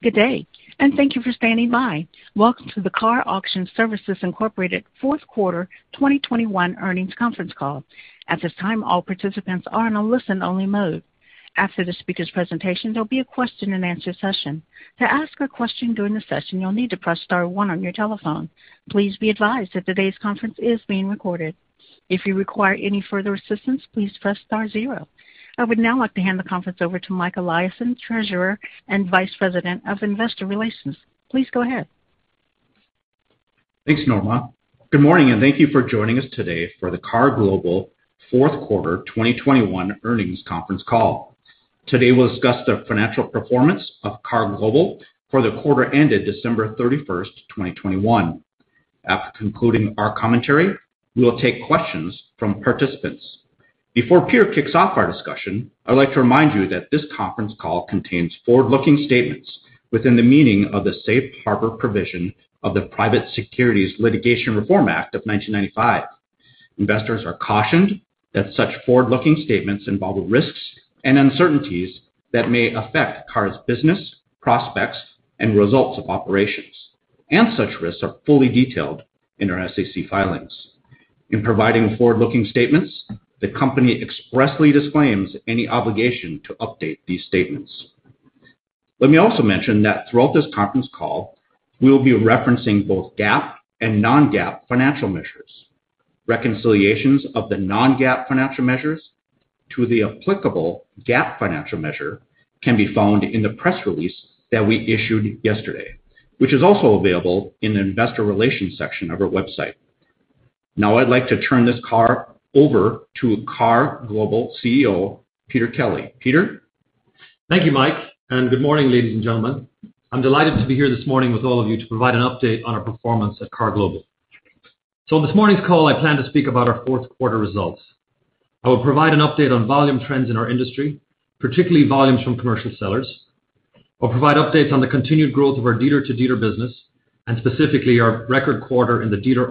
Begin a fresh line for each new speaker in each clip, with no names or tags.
Good day, and thank you for standing by. Welcome to the KAR Auction Services, Inc. fourth quarter 2021 earnings conference call. At this time, all participants are in a listen only mode. After the speaker's presentation, there'll be a question-and-answer session. To ask a question during the session, you'll need to press star one on your telephone. Please be advised that today's conference is being recorded. If you require any further assistance, please press star zero. I would now like to hand the conference over to Mike Eliason, Treasurer and Vice President of Investor Relations. Please go ahead.
Thanks, Norma. Good morning, and thank you for joining us today for the KAR Global fourth quarter 2021 earnings conference call. Today we'll discuss the financial performance of KAR Global for the quarter ended December 31st, 2021. After concluding our commentary, we will take questions from participants. Before Peter kicks off our discussion, I'd like to remind you that this conference call contains forward-looking statements within the meaning of the safe harbor provision of the Private Securities Litigation Reform Act of 1995. Investors are cautioned that such forward-looking statements involve risks and uncertainties that may affect KAR's business, prospects and results of operations. Such risks are fully detailed in our SEC filings. In providing forward-looking statements, the company expressly disclaims any obligation to update these statements. Let me also mention that throughout this conference call, we will be referencing both GAAP and non-GAAP financial measures. Reconciliations of the non-GAAP financial measures to the applicable GAAP financial measure can be found in the press release that we issued yesterday, which is also available in the investor relations section of our website. Now I'd like to turn this call over to KAR Global CEO, Peter Kelly. Peter.
Thank you, Mike, and good morning, ladies and gentlemen. I'm delighted to be here this morning with all of you to provide an update on our performance at KAR Global. On this morning's call, I plan to speak about our fourth quarter results. I will provide an update on volume trends in our industry, particularly volumes from commercial sellers. I'll provide updates on the continued growth of our dealer-to-dealer business, and specifically our record quarter in the dealer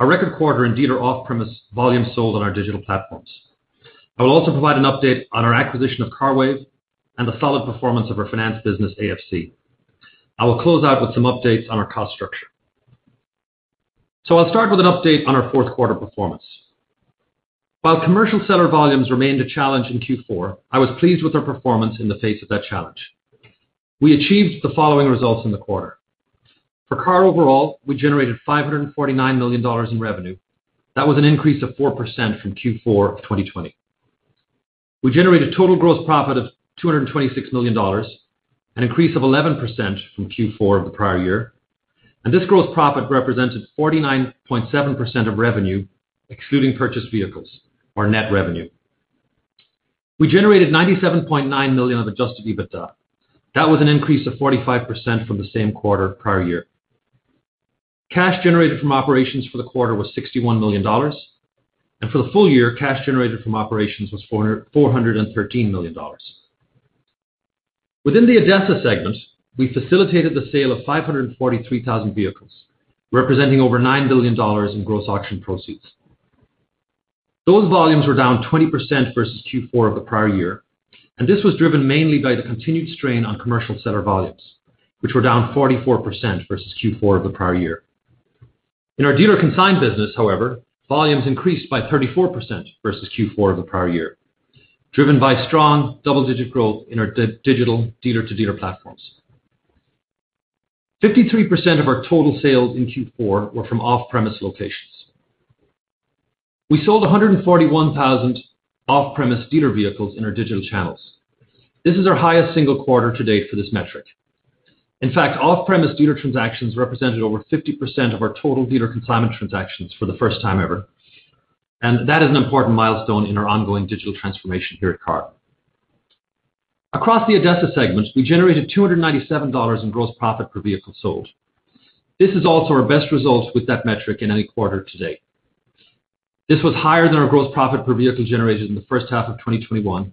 off-premise volume sold on our digital platforms. I will also provide an update on our acquisition of CARWAVE and the solid performance of our finance business, AFC. I will close out with some updates on our cost structure. I'll start with an update on our fourth quarter performance. While commercial seller volumes remained a challenge in Q4, I was pleased with our performance in the face of that challenge. We achieved the following results in the quarter. For KAR overall, we generated $549 million in revenue. That was an increase of 4% from Q4 of 2020. We generated total gross profit of $226 million, an increase of 11% from Q4 of the prior year. This gross profit represented 49.7% of revenue, excluding purchased vehicles or net revenue. We generated $97.9 million of adjusted EBITDA. That was an increase of 45% from the same quarter prior year. Cash generated from operations for the quarter was $61 million. For the full year, cash generated from operations was $413 million. Within the ADESA segment, we facilitated the sale of 543,000 vehicles, representing over $9 billion in gross auction proceeds. Those volumes were down 20% versus Q4 of the prior year, and this was driven mainly by the continued strain on commercial seller volumes, which were down 44% versus Q4 of the prior year. In our dealer consign business, however, volumes increased by 34% versus Q4 of the prior year, driven by strong double-digit growth in our digital dealer-to-dealer platforms. 53% of our total sales in Q4 were from off-premise locations. We sold 141,000 off-premise dealer vehicles in our digital channels. This is our highest single quarter to date for this metric. In fact, off-premise dealer transactions represented over 50% of our total dealer consignment transactions for the first time ever. That is an important milestone in our ongoing digital transformation here at KAR. Across the ADESA segments, we generated $297 in gross profit per vehicle sold. This is also our best results with that metric in any quarter to date. This was higher than our gross profit per vehicle generated in the first half of 2021,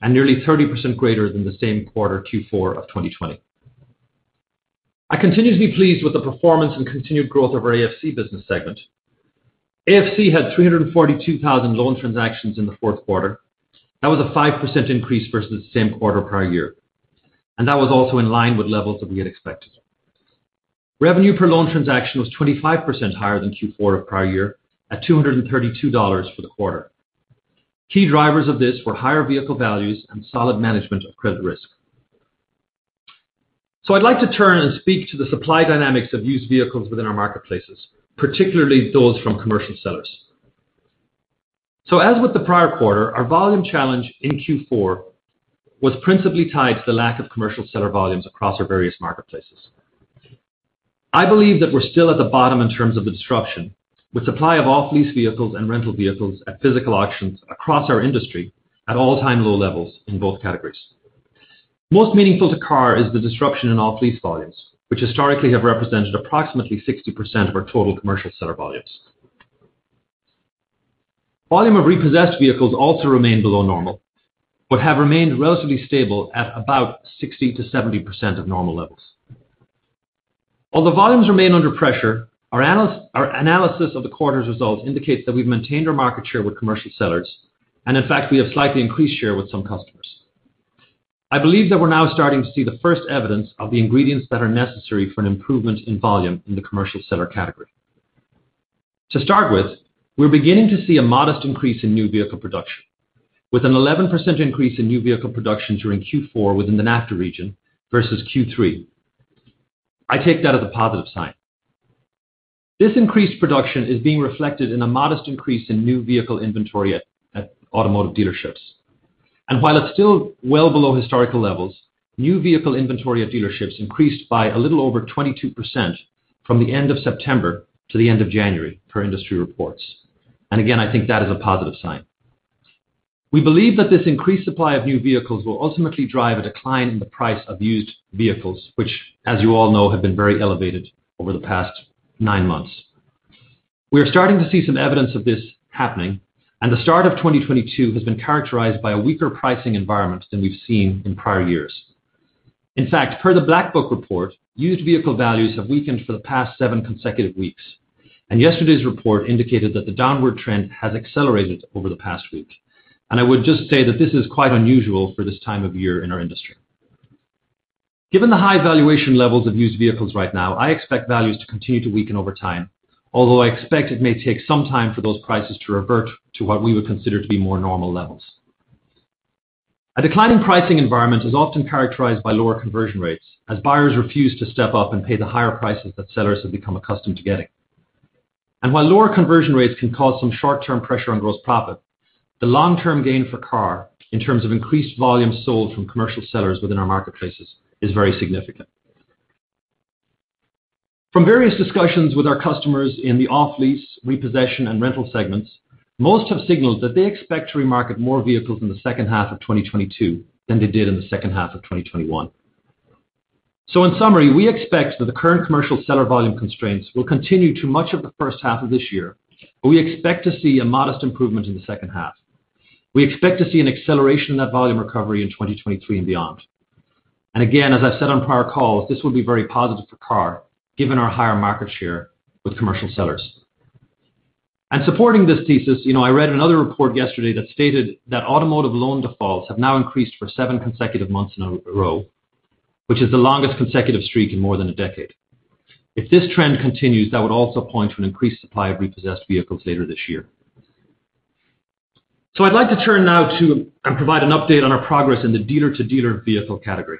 and nearly 30% greater than the same quarter Q4 of 2020. I continue to be pleased with the performance and continued growth of our AFC business segment. AFC had 342,000 loan transactions in the fourth quarter. That was a 5% increase versus the same quarter prior year. That was also in line with levels that we had expected. Revenue per loan transaction was 25% higher than Q4 of prior year at $232 for the quarter. Key drivers of this were higher vehicle values and solid management of credit risk. I'd like to turn and speak to the supply dynamics of used vehicles within our marketplaces, particularly those from commercial sellers. As with the prior quarter, our volume challenge in Q4 was principally tied to the lack of commercial seller volumes across our various marketplaces. I believe that we're still at the bottom in terms of the disruption, with supply of off-lease vehicles and rental vehicles at physical auctions across our industry at all-time low levels in both categories. Most meaningful to KAR is the disruption in off-lease volumes, which historically have represented approximately 60% of our total commercial seller volumes. Volume of repossessed vehicles also remain below normal, but have remained relatively stable at about 60%-70% of normal levels. Although volumes remain under pressure, our analysis of the quarter's results indicates that we've maintained our market share with commercial sellers. In fact, we have slightly increased share with some customers. I believe that we're now starting to see the first evidence of the ingredients that are necessary for an improvement in volume in the commercial seller category. To start with, we're beginning to see a modest increase in new vehicle production, with an 11% increase in new vehicle production during Q4 within the NAFTA region versus Q3. I take that as a positive sign. This increased production is being reflected in a modest increase in new vehicle inventory at automotive dealerships. While it's still well below historical levels, new vehicle inventory at dealerships increased by a little over 22% from the end of September to the end of January, per industry reports. Again, I think that is a positive sign. We believe that this increased supply of new vehicles will ultimately drive a decline in the price of used vehicles, which, as you all know, have been very elevated over the past nine months. We are starting to see some evidence of this happening, and the start of 2022 has been characterized by a weaker pricing environment than we've seen in prior years. In fact, per the Black Book report, used vehicle values have weakened for the past seven consecutive weeks, and yesterday's report indicated that the downward trend has accelerated over the past week. I would just say that this is quite unusual for this time of year in our industry. Given the high valuation levels of used vehicles right now, I expect values to continue to weaken over time, although I expect it may take some time for those prices to revert to what we would consider to be more normal levels. A decline in pricing environment is often characterized by lower conversion rates as buyers refuse to step up and pay the higher prices that sellers have become accustomed to getting. While lower conversion rates can cause some short-term pressure on gross profit, the long-term gain for KAR, in terms of increased volume sold from commercial sellers within our marketplaces, is very significant. From various discussions with our customers in the off-lease, repossession, and rental segments, most have signaled that they expect to remarket more vehicles in the second half of 2022 than they did in the second half of 2021. In summary, we expect that the current commercial seller volume constraints will continue through much of the first half of this year, but we expect to see a modest improvement in the second half. We expect to see an acceleration in that volume recovery in 2023 and beyond. Again, as I said on prior calls, this will be very positive for KAR, given our higher market share with commercial sellers. Supporting this thesis, you know, I read another report yesterday that stated that automotive loan defaults have now increased for seven consecutive months in a row, which is the longest consecutive streak in more than a decade. If this trend continues, that would also point to an increased supply of repossessed vehicles later this year. I'd like to turn now to and provide an update on our progress in the dealer-to-dealer vehicle category.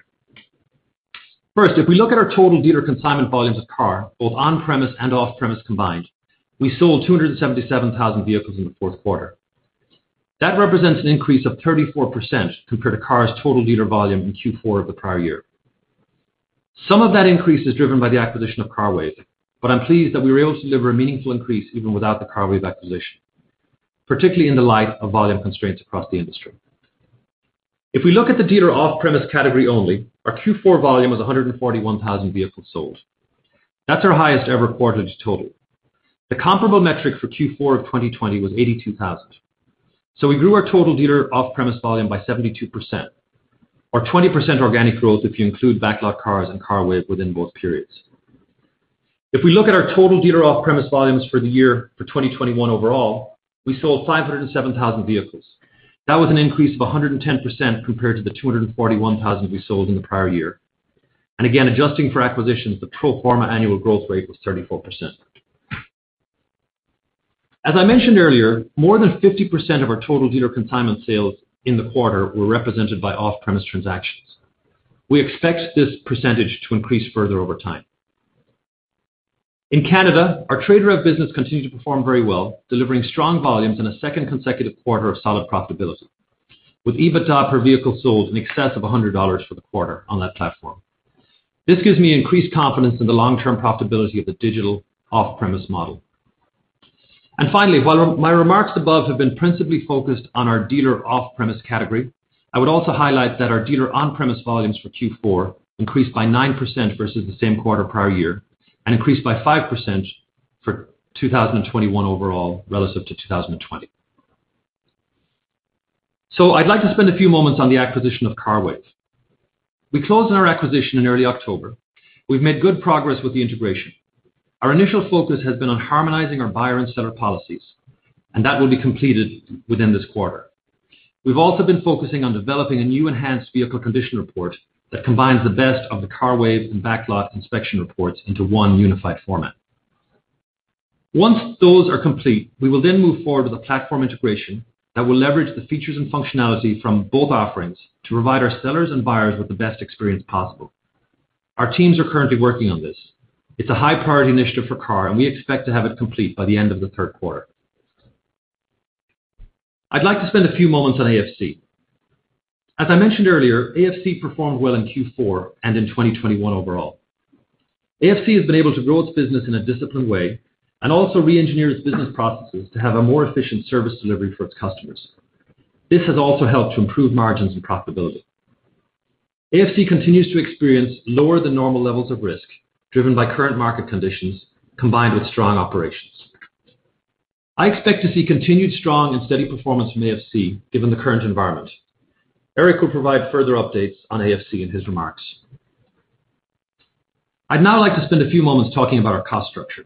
First, if we look at our total dealer consignment volumes of KAR, both on-premise and off-premise combined, we sold 277,000 vehicles in the fourth quarter. That represents an increase of 34% compared to KAR's total dealer volume in Q4 of the prior year. Some of that increase is driven by the acquisition of CARWAVE, but I'm pleased that we were able to deliver a meaningful increase even without the CARWAVE acquisition, particularly in light of volume constraints across the industry. If we look at the dealer off-premise category only, our Q4 volume was 141,000 vehicles sold. That's our highest ever quarterly total. The comparable metric for Q4 of 2020 was 82,000. We grew our total dealer off-premise volume by 72% or 20% organic growth if you include BacklotCars and CARWAVE within both periods. If we look at our total dealer off-premise volumes for the year for 2021 overall, we sold 507,000 vehicles. That was an increase of 110% compared to the 241,000 we sold in the prior year. Again, adjusting for acquisitions, the pro forma annual growth rate was 34%. As I mentioned earlier, more than 50% of our total dealer consignment sales in the quarter were represented by off-premise transactions. We expect this percentage to increase further over time. In Canada, our TradeRev business continued to perform very well, delivering strong volumes in a second consecutive quarter of solid profitability, with EBITDA per vehicle sold in excess of $100 for the quarter on that platform. This gives me increased confidence in the long-term profitability of the digital off-premise model. Finally, while my remarks above have been principally focused on our dealer off-premise category, I would also highlight that our dealer on-premise volumes for Q4 increased by 9% versus the same quarter prior year and increased by 5% for 2021 overall relative to 2020. I'd like to spend a few moments on the acquisition of CARWAVE. We closed on our acquisition in early October. We've made good progress with the integration. Our initial focus has been on harmonizing our buyer and seller policies, and that will be completed within this quarter. We've also been focusing on developing a new enhanced vehicle condition report that combines the best of the CARWAVE and BacklotCars inspection reports into one unified format. Once those are complete, we will then move forward with a platform integration that will leverage the features and functionality from both offerings to provide our sellers and buyers with the best experience possible. Our teams are currently working on this. It's a high priority initiative for KAR, and we expect to have it complete by the end of the third quarter. I'd like to spend a few moments on AFC. As I mentioned earlier, AFC performed well in Q4 and in 2021 overall. AFC has been able to grow its business in a disciplined way and also re-engineer its business processes to have a more efficient service delivery for its customers. This has also helped to improve margins and profitability. AFC continues to experience lower than normal levels of risk driven by current market conditions combined with strong operations. I expect to see continued strong and steady performance from AFC given the current environment. Eric will provide further updates on AFC in his remarks. I'd now like to spend a few moments talking about our cost structure.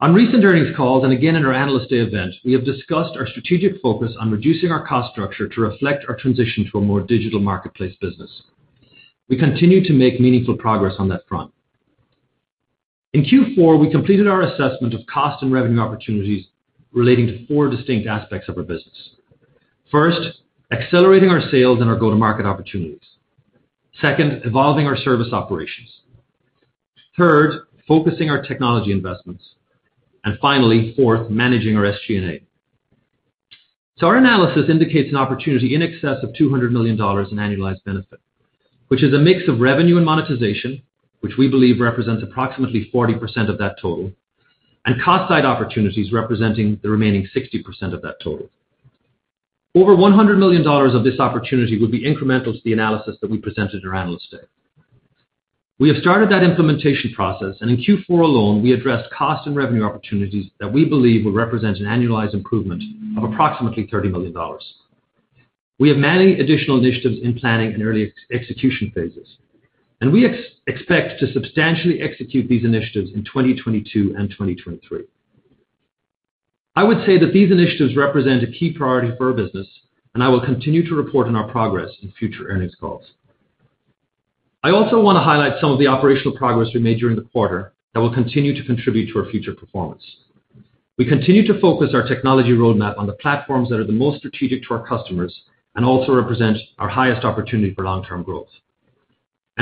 On recent earnings calls, and again, in our Analyst Day event, we have discussed our strategic focus on reducing our cost structure to reflect our transition to a more digital marketplace business. We continue to make meaningful progress on that front. In Q4, we completed our assessment of cost and revenue opportunities relating to four distinct aspects of our business. First, accelerating our sales and our go-to-market opportunities. Second, evolving our service operations. Third, focusing our technology investments. Finally, fourth, managing our SG&A. Our analysis indicates an opportunity in excess of $200 million in annualized benefit, which is a mix of revenue and monetization, which we believe represents approximately 40% of that total, and cost side opportunities representing the remaining 60% of that total. Over $100 million of this opportunity will be incremental to the analysis that we presented at our Analyst Day. We have started that implementation process, and in Q4 alone, we addressed cost and revenue opportunities that we believe will represent an annualized improvement of approximately $30 million. We have many additional initiatives in planning and early execution phases, and we expect to substantially execute these initiatives in 2022 and 2023. I would say that these initiatives represent a key priority for our business, and I will continue to report on our progress in future earnings calls. I also wanna highlight some of the operational progress we made during the quarter that will continue to contribute to our future performance. We continue to focus our technology roadmap on the platforms that are the most strategic to our customers and also represent our highest opportunity for long-term growth.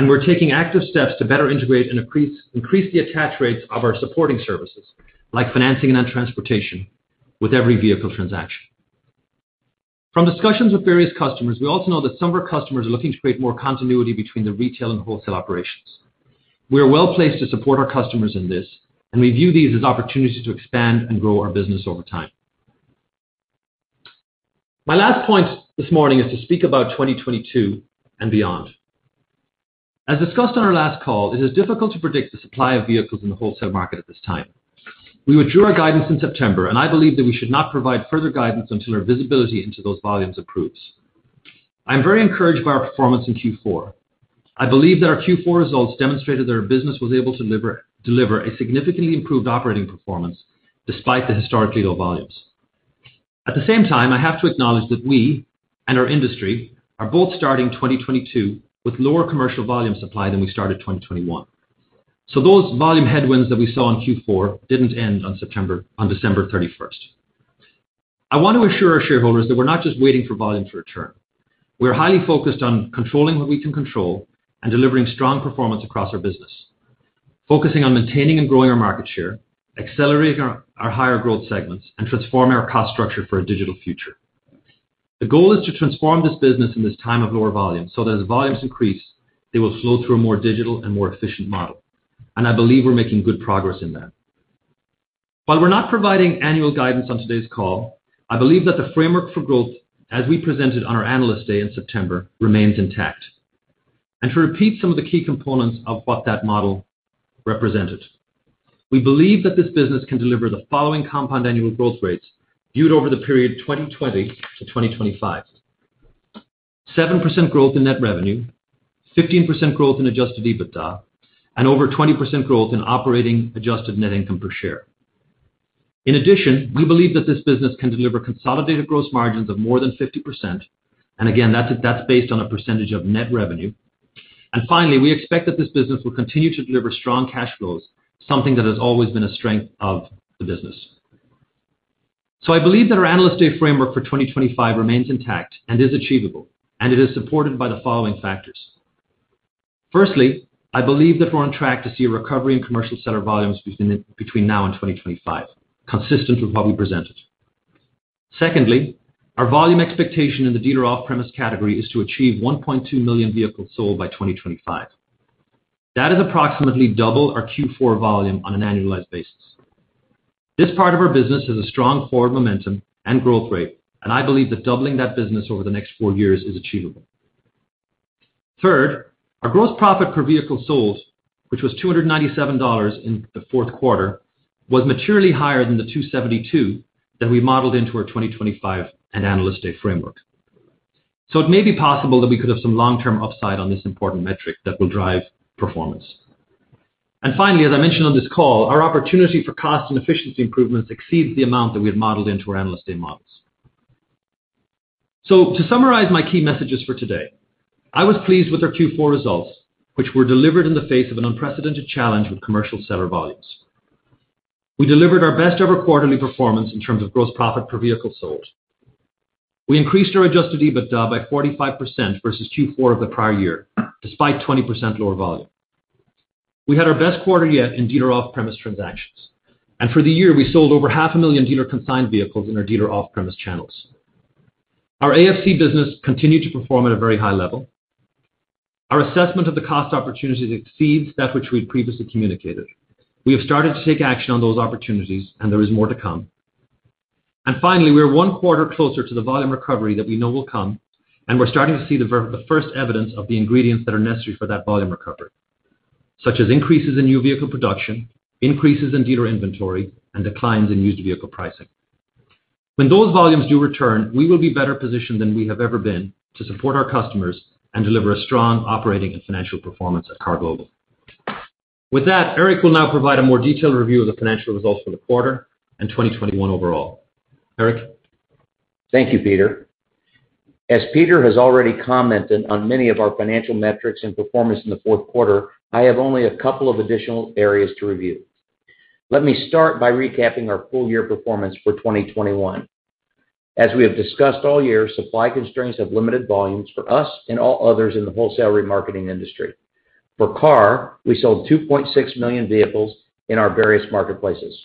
We're taking active steps to better integrate and increase the attach rates of our supporting services, like financing and transportation, with every vehicle transaction. From discussions with various customers, we also know that some of our customers are looking to create more continuity between the retail and wholesale operations. We are well-placed to support our customers in this, and we view these as opportunities to expand and grow our business over time. My last point this morning is to speak about 2022 and beyond. As discussed on our last call, it is difficult to predict the supply of vehicles in the wholesale market at this time. We withdrew our guidance in September, and I believe that we should not provide further guidance until our visibility into those volumes improves. I'm very encouraged by our performance in Q4. I believe that our Q4 results demonstrated that our business was able to deliver a significantly improved operating performance despite the historically low volumes. At the same time, I have to acknowledge that we and our industry are both starting 2022 with lower commercial volume supply than we started 2021. Those volume headwinds that we saw in Q4 didn't end on December 31st. I want to assure our shareholders that we're not just waiting for volume to return. We're highly focused on controlling what we can control and delivering strong performance across our business, focusing on maintaining and growing our market share, accelerating our higher growth segments, and transforming our cost structure for a digital future. The goal is to transform this business in this time of lower volume so that as volumes increase, they will flow through a more digital and more efficient model. I believe we're making good progress in that. While we're not providing annual guidance on today's call, I believe that the framework for growth as we presented on our Analyst Day in September remains intact. To repeat some of the key components of what that model represented. We believe that this business can deliver the following compound annual growth rates viewed over the period 2020 to 2025. 7% growth in net revenue, 15% growth in adjusted EBITDA, and over 20% growth in operating adjusted net income per share. In addition, we believe that this business can deliver consolidated gross margins of more than 50%, and again, that's based on a percentage of net revenue. Finally, we expect that this business will continue to deliver strong cash flows, something that has always been a strength of the business. I believe that our Analyst Day framework for 2025 remains intact and is achievable, and it is supported by the following factors. Firstly, I believe that we're on track to see a recovery in commercial seller volumes between now and 2025, consistent with what we presented. Secondly, our volume expectation in the dealer off-lease category is to achieve 1.2 million vehicles sold by 2025. That is approximately double our Q4 volume on an annualized basis. This part of our business has a strong forward momentum and growth rate, and I believe that doubling that business over the next four years is achievable. Third, our gross profit per vehicle sold, which was $297 in the fourth quarter, was materially higher than the $272 that we modeled into our 2025 and Analyst Day framework. It may be possible that we could have some long-term upside on this important metric that will drive performance. Finally, as I mentioned on this call, our opportunity for cost and efficiency improvements exceeds the amount that we have modeled into our Analyst Day models. To summarize my key messages for today, I was pleased with our Q4 results, which were delivered in the face of an unprecedented challenge with commercial seller volumes. We delivered our best ever quarterly performance in terms of gross profit per vehicle sold. We increased our adjusted EBITDA by 45% versus Q4 of the prior year, despite 20% lower volume. We had our best quarter yet in dealer off-premise transactions, and for the year, we sold over 500,000 dealer-consigned vehicles in our dealer off-premise channels. Our AFC business continued to perform at a very high level. Our assessment of the cost opportunities exceeds that which we'd previously communicated. We have started to take action on those opportunities, and there is more to come. Finally, we are one quarter closer to the volume recovery that we know will come, and we're starting to see the first evidence of the ingredients that are necessary for that volume recovery, such as increases in new vehicle production, increases in dealer inventory, and declines in used vehicle pricing. When those volumes do return, we will be better positioned than we have ever been to support our customers and deliver a strong operating and financial performance at KAR Global. With that, Eric will now provide a more detailed review of the financial results for the quarter and 2021 overall. Eric?
Thank you, Peter. As Peter has already commented on many of our financial metrics and performance in the fourth quarter, I have only a couple of additional areas to review. Let me start by recapping our full year performance for 2021. As we have discussed all year, supply constraints have limited volumes for us and all others in the wholesale remarketing industry. For KAR, we sold 2.6 million vehicles in our various marketplaces.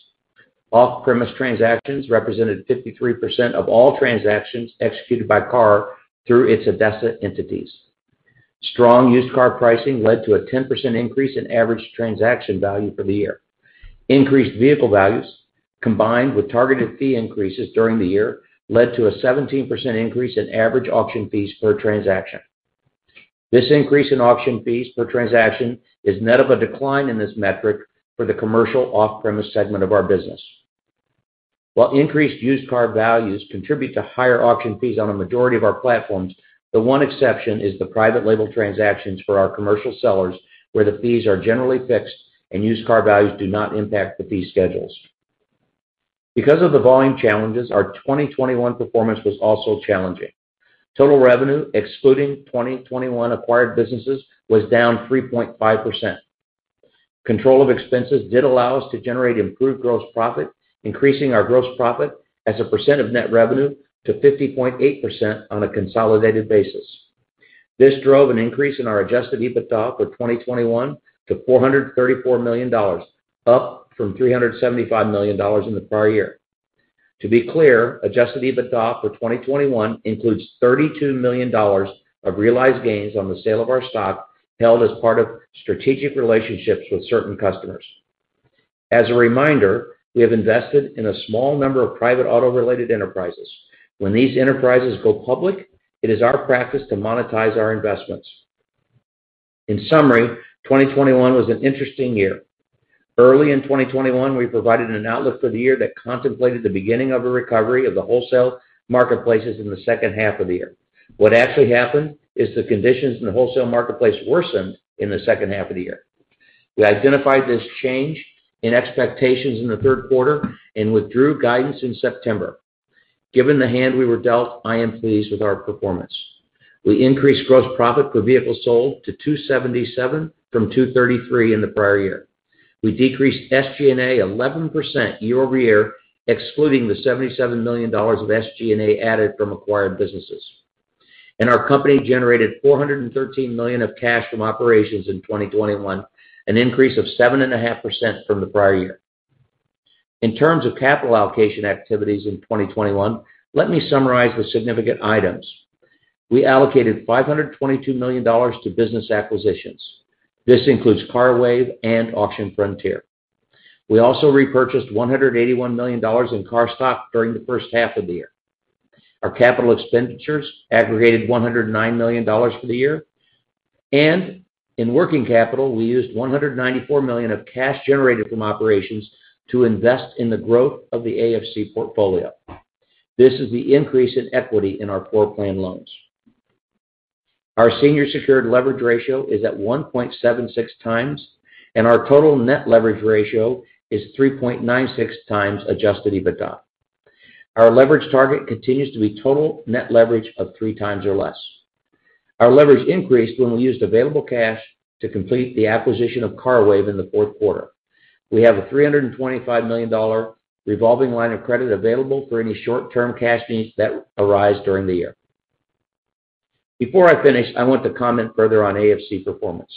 Off-premise transactions represented 53% of all transactions executed by KAR through its ADESA entities. Strong used car pricing led to a 10% increase in average transaction value for the year. Increased vehicle values, combined with targeted fee increases during the year, led to a 17% increase in average auction fees per transaction. This increase in auction fees per transaction is net of a decline in this metric for the commercial off-premise segment of our business. While increased used car values contribute to higher auction fees on a majority of our platforms, the one exception is the private label transactions for our commercial sellers, where the fees are generally fixed and used car values do not impact the fee schedules. Because of the volume challenges, our 2021 performance was also challenging. Total revenue, excluding 2021 acquired businesses, was down 3.5%. Control of expenses did allow us to generate improved gross profit, increasing our gross profit as a percent of net revenue to 50.8% on a consolidated basis. This drove an increase in our adjusted EBITDA for 2021 to $434 million, up from $375 million in the prior year. To be clear, adjusted EBITDA for 2021 includes $32 million of realized gains on the sale of our stock held as part of strategic relationships with certain customers. As a reminder, we have invested in a small number of private auto-related enterprises. When these enterprises go public, it is our practice to monetize our investments. In summary, 2021 was an interesting year. Early in 2021, we provided an outlook for the year that contemplated the beginning of a recovery of the wholesale marketplaces in the second half of the year. What actually happened is the conditions in the wholesale marketplace worsened in the second half of the year. We identified this change in expectations in the third quarter and withdrew guidance in September. Given the hand we were dealt, I am pleased with our performance. We increased gross profit per vehicle sold to $277 from $233 in the prior year. We decreased SG&A 11% year-over-year, excluding the $77 million of SG&A added from acquired businesses. Our company generated $413 million of cash from operations in 2021, an increase of 7.5% from the prior year. In terms of capital allocation activities in 2021, let me summarize the significant items. We allocated $522 million to business acquisitions. This includes CARWAVE and Auction Frontier. We also repurchased $181 million in KAR stock during the first half of the year. Our capital expenditures aggregated $109 million for the year. In working capital, we used $194 million of cash generated from operations to invest in the growth of the AFC portfolio. This is the increase in equity in our floor plan loans. Our senior secured leverage ratio is at 1.76x, and our total net leverage ratio is 3.96x adjusted EBITDA. Our leverage target continues to be total net leverage of 3x or less. Our leverage increased when we used available cash to complete the acquisition of CARWAVE in the fourth quarter. We have a $325 million revolving line of credit available for any short-term cash needs that arise during the year. Before I finish, I want to comment further on AFC performance.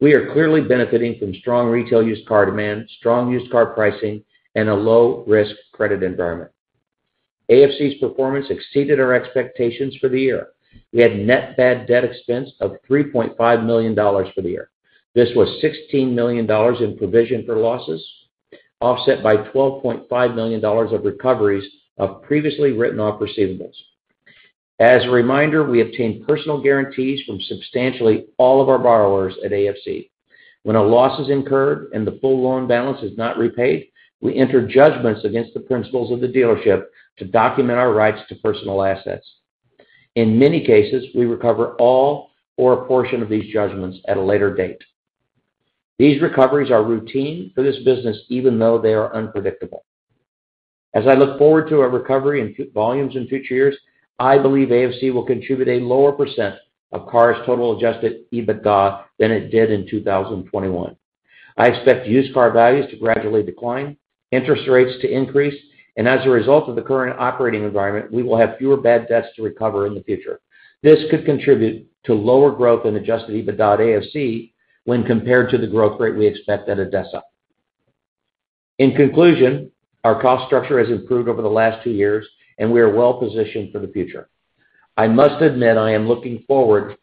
We are clearly benefiting from strong retail used car demand, strong used car pricing, and a low-risk credit environment. AFC's performance exceeded our expectations for the year. We had net bad debt expense of $3.5 million for the year. This was $16 million in provision for losses, offset by $12.5 million of recoveries of previously written-off receivables. As a reminder, we obtain personal guarantees from substantially all of our borrowers at AFC. When a loss is incurred and the full loan balance is not repaid, we enter judgments against the principals of the dealership to document our rights to personal assets. In many cases, we recover all or a portion of these judgments at a later date. These recoveries are routine for this business, even though they are unpredictable. As I look forward to a recovery in full volumes in future years, I believe AFC will contribute a lower percent of KAR's total adjusted EBITDA than it did in 2021. I expect used car values to gradually decline, interest rates to increase, and as a result of the current operating environment, we will have fewer bad debts to recover in the future. This could contribute to lower growth in adjusted EBITDA at AFC when compared to the growth rate we expect at ADESA. In conclusion, our cost structure has improved over the last two years, and we are well positioned for the future. I must admit I am looking forward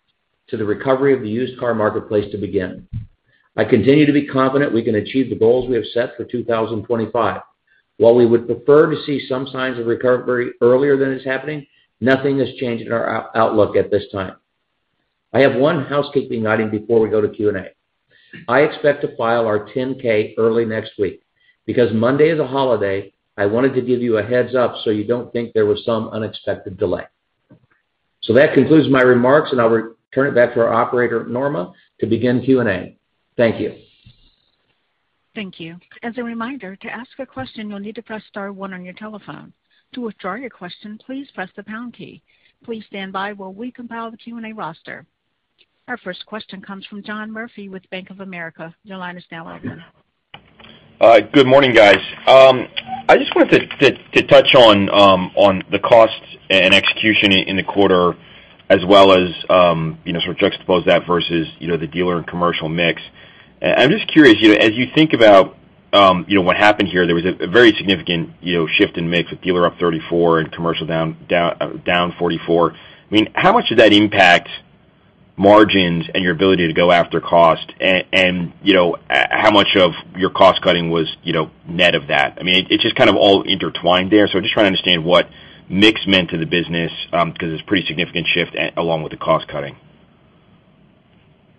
to the recovery of the used car marketplace to begin. I continue to be confident we can achieve the goals we have set for 2025. While we would prefer to see some signs of recovery earlier than is happening, nothing has changed in our outlook at this time. I have one housekeeping item before we go to Q&A. I expect to file our 10-K early next week. Because Monday is a holiday, I wanted to give you a heads-up so you don't think there was some unexpected delay. That concludes my remarks, and I'll return it back to our operator, Norma, to begin Q&A. Thank you.
Thank you. As a reminder, to ask a question, you'll need to press star one on your telephone. To withdraw your question, please press the pound key. Please stand by while we compile the Q&A roster. Our first question comes from John Murphy with Bank of America. Your line is now open.
Good morning, guys. I just wanted to touch on the cost and execution in the quarter as well as, you know, sort of juxtapose that versus, you know, the dealer and commercial mix. I'm just curious, you know, as you think about, you know, what happened here, there was a very significant, you know, shift in mix with dealer up 34% and commercial down 44%. I mean, how much did that impact margins and your ability to go after cost? And, you know, how much of your cost-cutting was, you know, net of that? I mean, it just kind of all intertwined there. I'm just trying to understand what mix meant to the business, because it's a pretty significant shift along with the cost-cutting.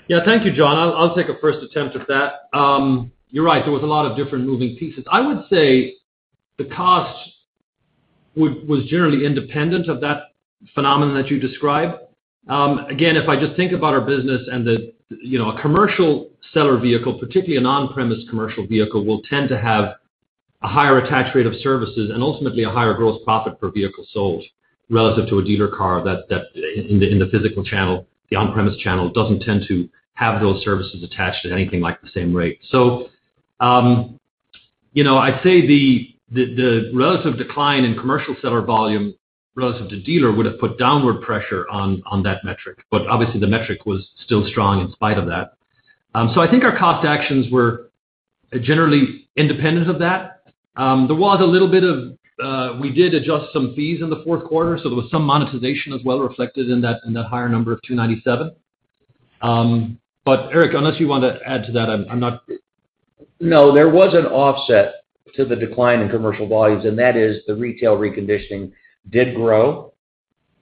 Yeah. Thank you, John. I'll take a first attempt at that. You're right. There was a lot of different moving pieces. I would say the cost was generally independent of that phenomenon that you describe. Again, if I just think about our business and the, you know, a commercial seller vehicle, particularly an on-premise commercial vehicle, will tend to have a higher attach rate of services and ultimately a higher gross profit per vehicle sold relative to a dealer car that's in the physical channel. The on-premise channel doesn't tend to have those services attached at anything like the same rate. You know, I'd say the relative decline in commercial seller volume relative to dealer would have put downward pressure on that metric. Obviously the metric was still strong in spite of that. I think our cost actions were generally independent of that. We did adjust some fees in the fourth quarter, so there was some monetization as well reflected in that higher number of $297. Eric, unless you want to add to that, I'm not-
No, there was an offset to the decline in commercial volumes, and that is the retail reconditioning did grow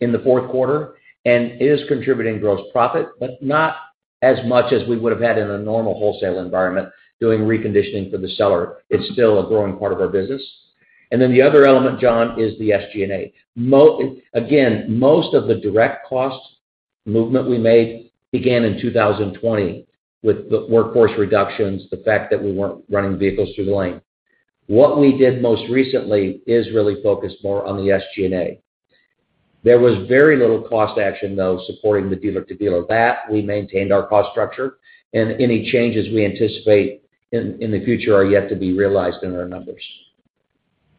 in the fourth quarter and is contributing gross profit, but not as much as we would have had in a normal wholesale environment doing reconditioning for the seller. It's still a growing part of our business. Then the other element, John, is the SG&A. Again, most of the direct cost movement we made began in 2020 with the workforce reductions, the fact that we weren't running vehicles through the lane. What we did most recently is really focused more on the SG&A. There was very little cost action, though, supporting the dealer-to-dealer that we maintained our cost structure, and any changes we anticipate in the future are yet to be realized in our numbers.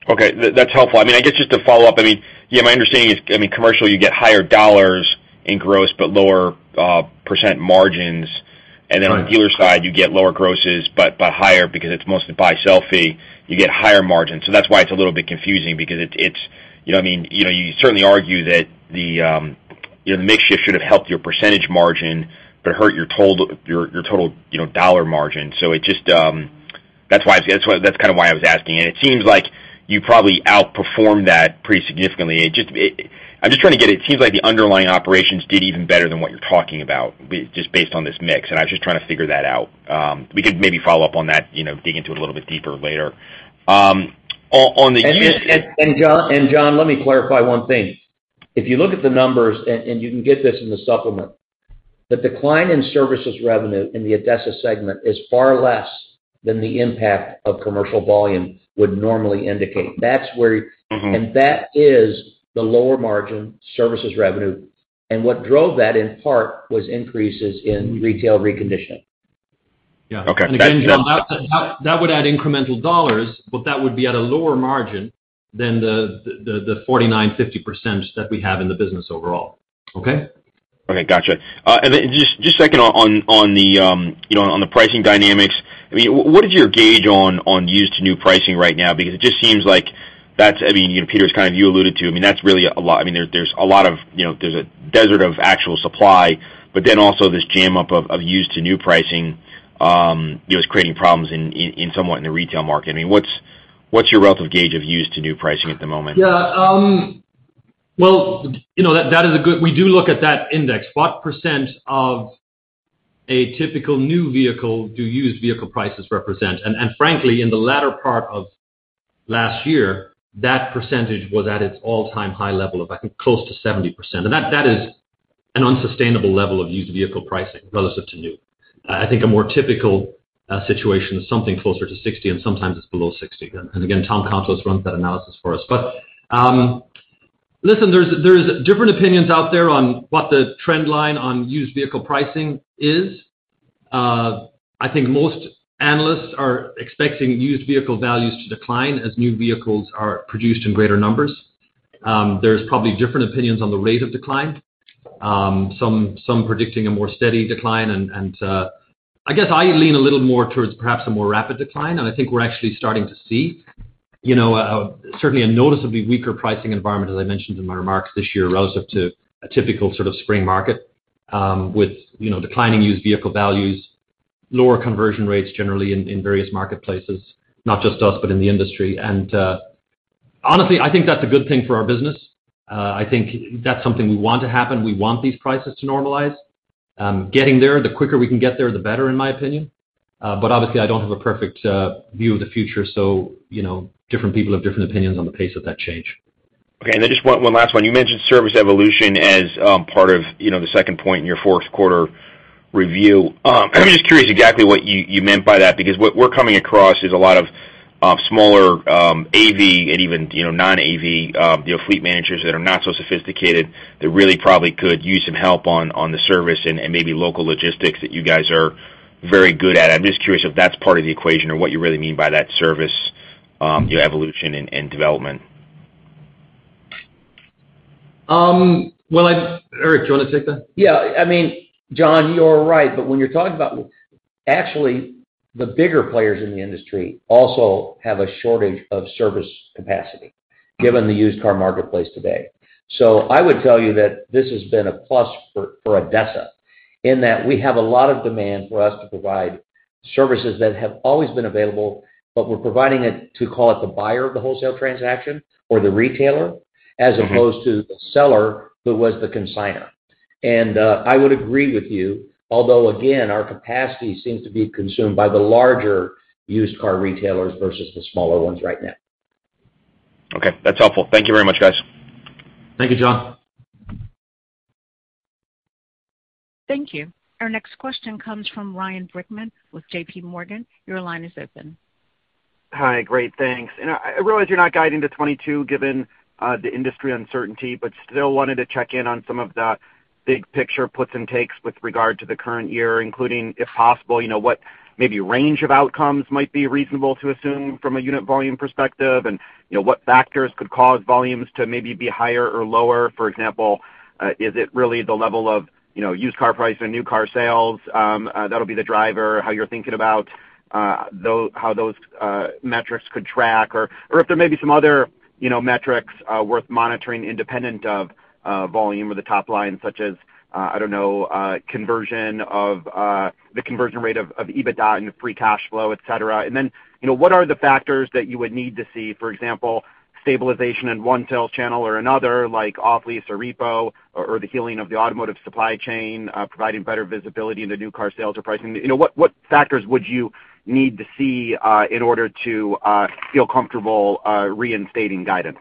Okay. That's helpful. I mean, I guess just to follow up, I mean, yeah, my understanding is, I mean, commercial, you get higher dollars in gross but lower percent margins.
Right.
Then on the dealer side, you get lower grosses, but higher because it's mostly buy-sell fee, you get higher margins. That's why it's a little bit confusing because it's, you know what I mean, you know, you certainly argue that the mix shift should have helped your percentage margin but hurt your total, your total, you know, dollar margin. It just, that's why, that's kind of why I was asking. It seems like you probably outperformed that pretty significantly. I'm just trying to get, it seems like the underlying operations did even better than what you're talking about just based on this mix. I was just trying to figure that out. We could maybe follow up on that, you know, dig into it a little bit deeper later. On the used-
John, let me clarify one thing. If you look at the numbers, you can get this in the supplement, the decline in services revenue in the ADESA segment is far less than the impact of commercial volume would normally indicate. That's where
Mm-hmm.
That is the lower margin services revenue. What drove that, in part, was increases in retail reconditioning.
Yeah.
Okay.
Again, John, that would add incremental dollars, but that would be at a lower margin than the 49%-50% that we have in the business overall. Okay?
Okay, gotcha. Then just second on the pricing dynamics, I mean, what is your gauge on used to new pricing right now? Because it just seems like that's, I mean, you know, Peter's kind of, you alluded to, I mean, that's really a lot. I mean, there's a lot of, you know, there's a desert of actual supply, but then also this jam up of used to new pricing, you know, is creating problems somewhat in the retail market. I mean, what's your relative gauge of used to new pricing at the moment?
Yeah. Well, you know, we do look at that index. What percent of a typical new vehicle do used vehicle prices represent? Frankly, in the latter part of last year, that percentage was at its all-time high level of, I think, close to 70%. That is an unsustainable level of used vehicle pricing relative to new. I think a more typical situation is something closer to 60%, and sometimes it's below 60%. Again, Tom Kontos runs that analysis for us. Listen, there's different opinions out there on what the trend line on used vehicle pricing is. I think most analysts are expecting used vehicle values to decline as new vehicles are produced in greater numbers. There's probably different opinions on the rate of decline, some predicting a more steady decline. I guess I lean a little more towards perhaps a more rapid decline, and I think we're actually starting to see, you know, certainly a noticeably weaker pricing environment, as I mentioned in my remarks this year, relative to a typical sort of spring market, with, you know, declining used vehicle values, lower conversion rates generally in various marketplaces, not just us, but in the industry. Honestly, I think that's a good thing for our business. I think that's something we want to happen. We want these prices to normalize. Getting there, the quicker we can get there, the better, in my opinion. Obviously, I don't have a perfect view of the future. You know, different people have different opinions on the pace of that change.
Okay. Just one last one. You mentioned service evolution as part of, you know, the second point in your fourth quarter review. I'm just curious exactly what you meant by that because what we're coming across is a lot of smaller AV and even, you know, non-AV fleet managers that are not so sophisticated that really probably could use some help on the service and maybe local logistics that you guys are very good at. I'm just curious if that's part of the equation or what you really mean by that service your evolution and development.
Eric, do you wanna take that?
Yeah. I mean, John, you're right. When you're talking about, actually, the bigger players in the industry also have a shortage of service capacity given the used car marketplace today. I would tell you that this has been a plus for ADESA, in that we have a lot of demand for us to provide services that have always been available, but we're providing it to call it the buyer of the wholesale transaction or the retailer as opposed to the seller who was the consignor. I would agree with you, although again, our capacity seems to be consumed by the larger used car retailers versus the smaller ones right now.
Okay. That's helpful. Thank you very much, guys.
Thank you, John.
Thank you. Our next question comes from Ryan Brinkman with JPMorgan. Your line is open.
Hi. Great. Thanks. I realize you're not guiding to 22 given the industry uncertainty, but still wanted to check in on some of the big picture puts and takes with regard to the current year, including, if possible, you know, what maybe range of outcomes might be reasonable to assume from a unit volume perspective and, you know, what factors could cause volumes to maybe be higher or lower. For example, is it really the level of, you know, used car price and new car sales, that'll be the driver, how you're thinking about how those metrics could track? If there may be some other, you know, metrics worth monitoring independent of volume or the top line such as, I don't know, conversion rate of EBITDA into free cash flow, et cetera. Then, you know, what are the factors that you would need to see? For example, stabilization in one sales channel or another like off-lease or repo or the healing of the automotive supply chain, providing better visibility into new car sales or pricing. You know, what factors would you need to see in order to feel comfortable reinstating guidance?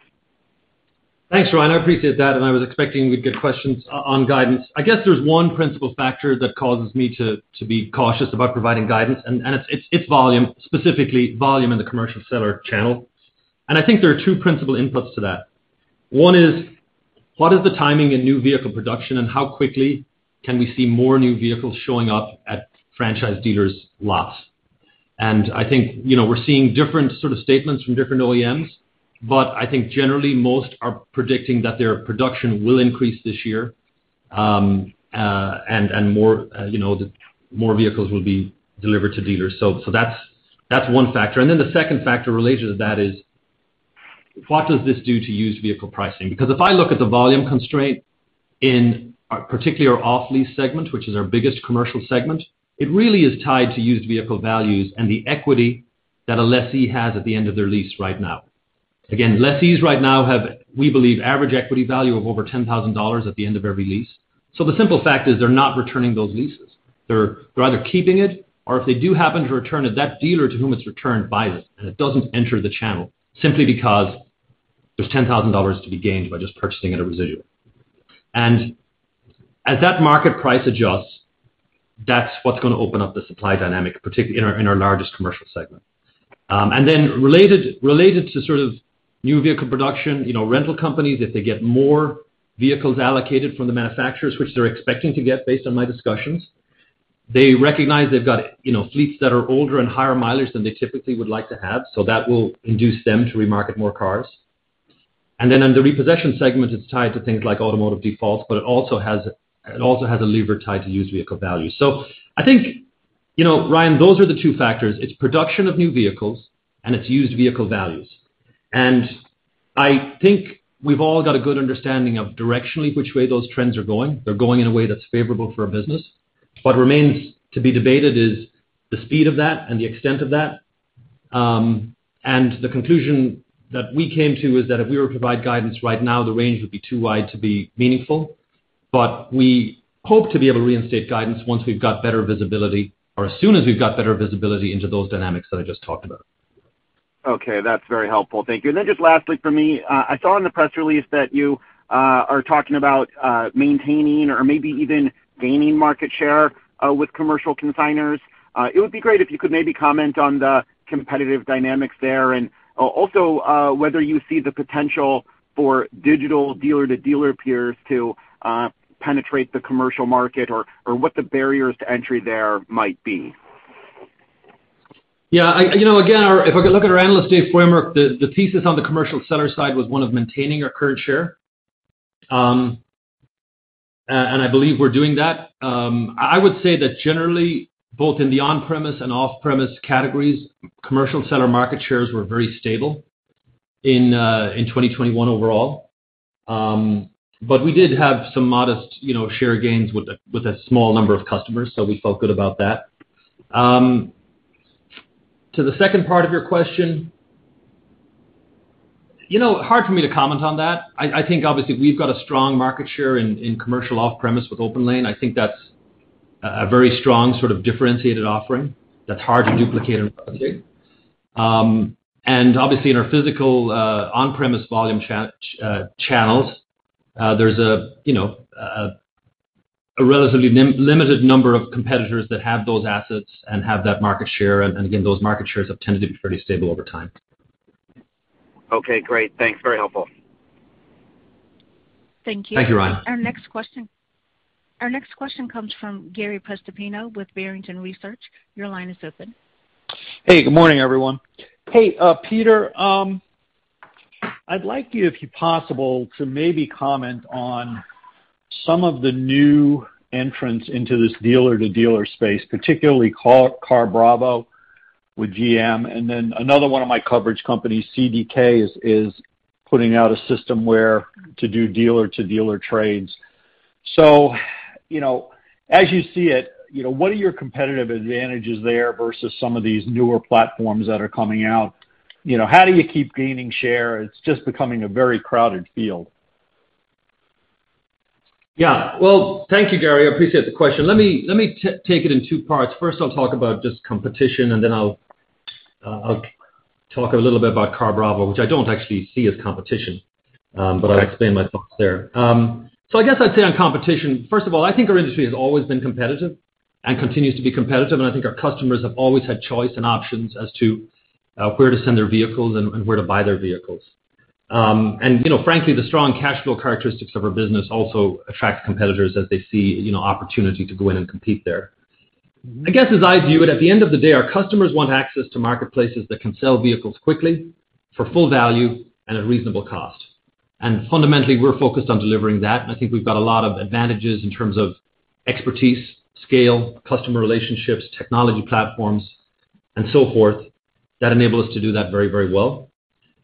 Thanks, Ryan. I appreciate that, and I was expecting we'd get questions on guidance. I guess there's one principal factor that causes me to be cautious about providing guidance, and it's volume, specifically volume in the commercial seller channel. I think there are two principal inputs to that. One is, what is the timing in new vehicle production and how quickly can we see more new vehicles showing up at franchise dealers' lots? I think, you know, we're seeing different sort of statements from different OEMs, but I think generally most are predicting that their production will increase this year, and more vehicles will be delivered to dealers. That's one factor. The second factor related to that is what does this do to used vehicle pricing? Because if I look at the volume constraint in our particular off-lease segment, which is our biggest commercial segment, it really is tied to used vehicle values and the equity that a lessee has at the end of their lease right now. Again, lessees right now have, we believe, average equity value of over $10,000 at the end of every lease. So the simple fact is they're not returning those leases. They're either keeping it or if they do happen to return it, that dealer to whom it's returned buys it, and it doesn't enter the channel simply because there's $10,000 to be gained by just purchasing at a residual. As that market price adjusts, that's what's gonna open up the supply dynamic, particularly in our largest commercial segment. Related to sort of new vehicle production, you know, rental companies, if they get more vehicles allocated from the manufacturers, which they're expecting to get based on my discussions, they recognize they've got, you know, fleets that are older and higher mileage than they typically would like to have, so that will induce them to remarket more cars. On the repossession segment, it's tied to things like automotive defaults, but it also has a lever tied to used vehicle value. I think, you know, Ryan, those are the two factors. It's production of new vehicles, and it's used vehicle values. I think we've all got a good understanding of directionally which way those trends are going. They're going in a way that's favorable for our business. What remains to be debated is the speed of that and the extent of that. The conclusion that we came to is that if we were to provide guidance right now, the range would be too wide to be meaningful. We hope to be able to reinstate guidance once we've got better visibility or as soon as we've got better visibility into those dynamics that I just talked about.
Okay. That's very helpful. Thank you. Just lastly for me, I saw in the press release that you are talking about maintaining or maybe even gaining market share with commercial consignors. It would be great if you could maybe comment on the competitive dynamics there and also whether you see the potential for digital dealer to dealer peers to penetrate the commercial market or what the barriers to entry there might be.
Yeah. You know, again, our, if I could look at our analyst day framework, the thesis on the commercial seller side was one of maintaining our current share. And I believe we're doing that. I would say that generally, both in the on-premise and off-premise categories, commercial seller market shares were very stable in 2021 overall. But we did have some modest, you know, share gains with a small number of customers, so we felt good about that. To the second part of your question. You know, hard for me to comment on that. I think obviously we've got a strong market share in commercial off-premise with OPENLANE. I think that's a very strong sort of differentiated offering that's hard to duplicate and replicate. Obviously in our physical, on-premise volume channels, there's you know, a relatively limited number of competitors that have those assets and have that market share. Again, those market shares have tended to be pretty stable over time.
Okay, great. Thanks. Very helpful.
Thank you.
Thank you, Ryan.
Our next question comes from Gary Prestopino with Barrington Research. Your line is open.
Hey, good morning, everyone. Hey, Peter, I'd like you, if possible, to maybe comment on some of the new entrants into this dealer-to-dealer space, particularly CarBravo with GM and then another one of my coverage companies, CDK, is putting out a system where to do dealer-to-dealer trades. You know, as you see it, you know, what are your competitive advantages there versus some of these newer platforms that are coming out? You know, how do you keep gaining share? It's just becoming a very crowded field.
Yeah. Well, thank you, Gary. I appreciate the question. Let me take it in two parts. First, I'll talk about just competition, and then I'll talk a little bit about CarBravo, which I don't actually see as competition.
Right.
I'll explain my thoughts there. I guess I'd say on competition, first of all, I think our industry has always been competitive and continues to be competitive, and I think our customers have always had choice and options as to where to send their vehicles and where to buy their vehicles. You know, frankly, the strong cash flow characteristics of our business also attract competitors as they see, you know, opportunity to go in and compete there. I guess, as I view it, at the end of the day, our customers want access to marketplaces that can sell vehicles quickly for full value and at reasonable cost. Fundamentally, we're focused on delivering that. I think we've got a lot of advantages in terms of expertise, scale, customer relationships, technology platforms, and so forth that enable us to do that very, very well.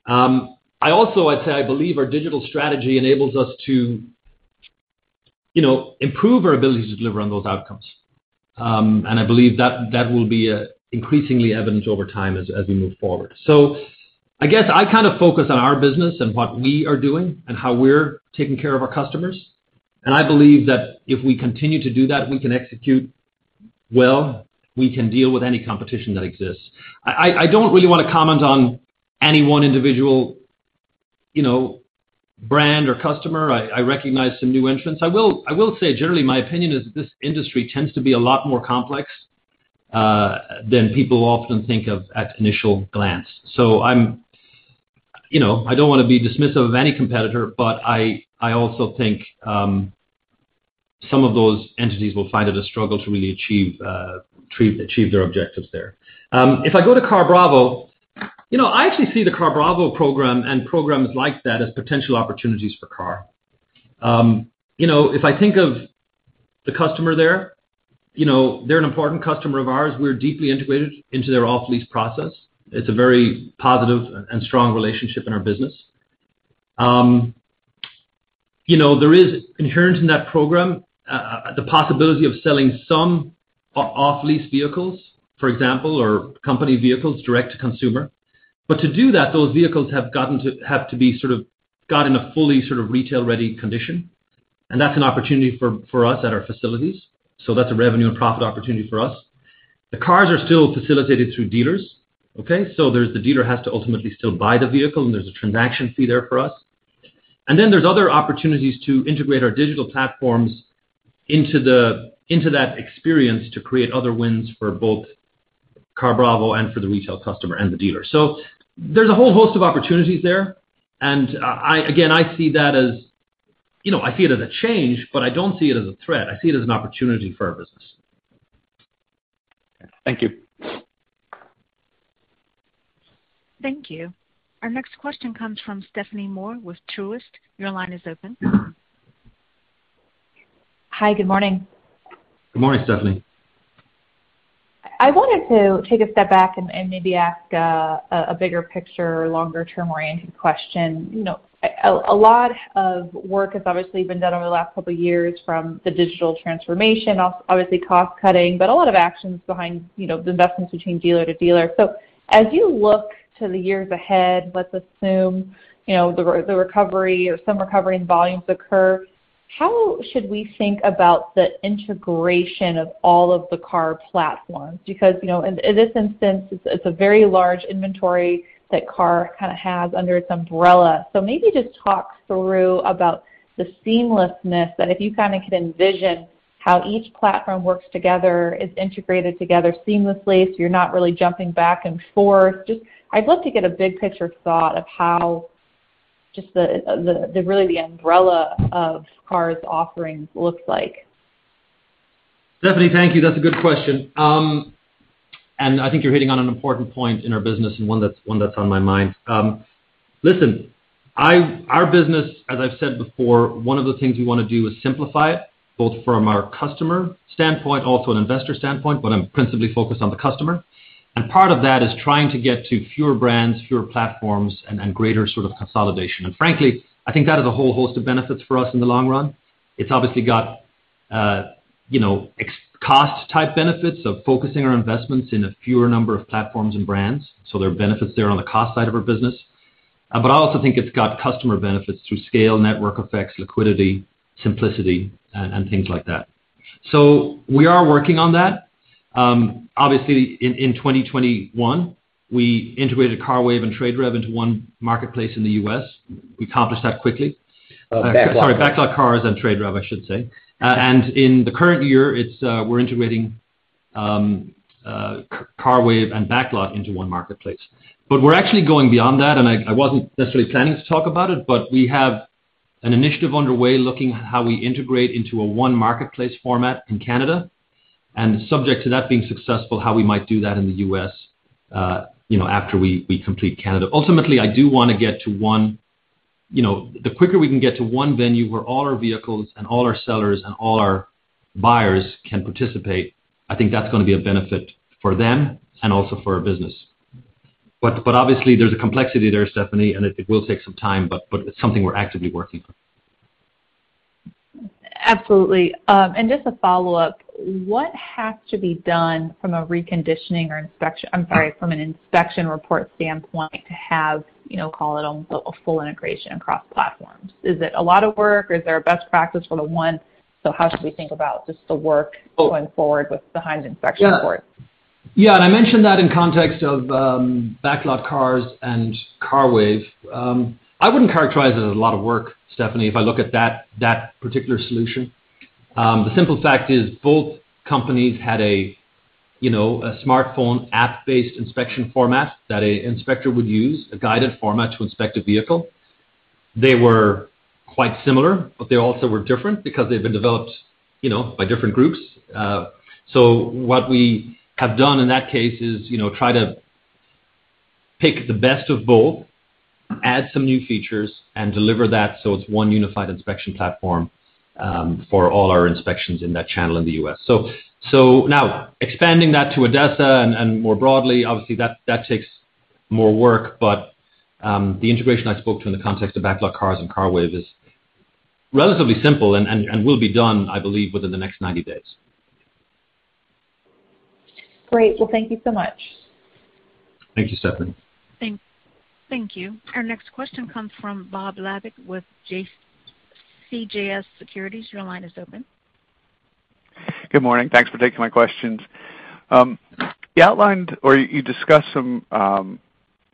I also, I'd say I believe our digital strategy enables us to, you know, improve our ability to deliver on those outcomes. I believe that will be increasingly evident over time as we move forward. I guess I kind of focus on our business and what we are doing and how we're taking care of our customers. I believe that if we continue to do that, we can execute well, we can deal with any competition that exists. I don't really wanna comment on any one individual, you know, brand or customer. I recognize some new entrants. I will say generally my opinion is this industry tends to be a lot more complex than people often think of at initial glance. I'm, you know, I don't wanna be dismissive of any competitor, but I also think some of those entities will find it a struggle to really achieve their objectives there. If I go to CarBravo, you know, I actually see the CarBravo program and programs like that as potential opportunities for KAR. You know, if I think of the customer there, you know, they're an important customer of ours. We're deeply integrated into their off-lease process. It's a very positive and strong relationship in our business. You know, there is inherent in that program the possibility of selling some off-lease vehicles, for example, or company vehicles direct to consumer. To do that, those vehicles have to be sort of got in a fully sort of retail-ready condition, and that's an opportunity for us at our facilities. That's a revenue and profit opportunity for us. The cars are still facilitated through dealers, okay? There's the dealer has to ultimately still buy the vehicle, and there's a transaction fee there for us. Then there's other opportunities to integrate our digital platforms into that experience to create other wins for both CarBravo and for the retail customer and the dealer. There's a whole host of opportunities there. I again see that as, you know, I see it as a change, but I don't see it as a threat. I see it as an opportunity for our business.
Thank you.
Thank you. Our next question comes from Stephanie Moore with Truist. Your line is open.
Hi. Good morning.
Good morning, Stephanie.
I wanted to take a step back and maybe ask a bigger picture or longer term-oriented question. You know, a lot of work has obviously been done over the last couple of years from the digital transformation, obviously cost cutting, but a lot of actions behind, you know, the investments between dealer to dealer. As you look to the years ahead, let's assume, you know, the recovery or some recovery in volumes occur, how should we think about the integration of all of the KAR platforms? Because, you know, in this instance, it's a very large inventory that KAR kinda has under its umbrella. Maybe just talk through about the seamlessness that if you kinda can envision how each platform works together is integrated together seamlessly, so you're not really jumping back and forth. Just, I'd love to get a big picture thought of how just the really the umbrella of KAR's offerings looks like.
Stephanie, thank you. That's a good question. I think you're hitting on an important point in our business and one that's on my mind. Our business, as I've said before, one of the things we wanna do is simplify it, both from our customer standpoint, also an investor standpoint, but I'm principally focused on the customer. Part of that is trying to get to fewer brands, fewer platforms and greater sort of consolidation. Frankly, I think that has a whole host of benefits for us in the long run. It's obviously got you know cost type benefits of focusing our investments in a fewer number of platforms and brands. There are benefits there on the cost side of our business. I also think it's got customer benefits through scale, network effects, liquidity, simplicity and things like that. We are working on that. Obviously in 2021, we integrated CARWAVE and TradeRev into one marketplace in the U.S. We accomplished that quickly.
BacklotCars.
Sorry, BacklotCars and TradeRev, I should say. In the current year, it's, we're integrating CARWAVE and BacklotCars into one marketplace. We're actually going beyond that, and I wasn't necessarily planning to talk about it, but we have an initiative underway looking how we integrate into a one marketplace format in Canada, and subject to that being successful, how we might do that in the US, you know, after we complete Canada. Ultimately, I do wanna get to one. You know, the quicker we can get to one venue where all our vehicles and all our sellers and all our buyers can participate, I think that's gonna be a benefit for them and also for our business. Obviously there's a complexity there, Stephanie, and it will take some time, but it's something we're actively working on.
Absolutely. Just a follow-up. What has to be done from an inspection report standpoint to have, you know, call it a full integration across platforms? Is it a lot of work? Is there a best practice for the one? How should we think about just the work going forward with the backend inspection report?
Yeah. Yeah, I mentioned that in context of BacklotCars and CARWAVE. I wouldn't characterize it as a lot of work, Stephanie, if I look at that particular solution. The simple fact is both companies had a you know a smartphone app-based inspection format that an inspector would use, a guided format to inspect a vehicle. They were quite similar, but they also were different because they've been developed you know by different groups. What we have done in that case is you know try to pick the best of both, add some new features and deliver that, so it's one unified inspection platform for all our inspections in that channel in the U.S. Now expanding that to ADESA and more broadly, obviously that takes more work. The integration I spoke to in the context of BacklotCars and CARWAVE is relatively simple and will be done, I believe, within the next 90 days.
Great. Well, thank you so much.
Thank you, Stephanie.
Thank you. Our next question comes from Bob Labick with CJS Securities. Your line is open.
Good morning. Thanks for taking my questions. You outlined or you discussed some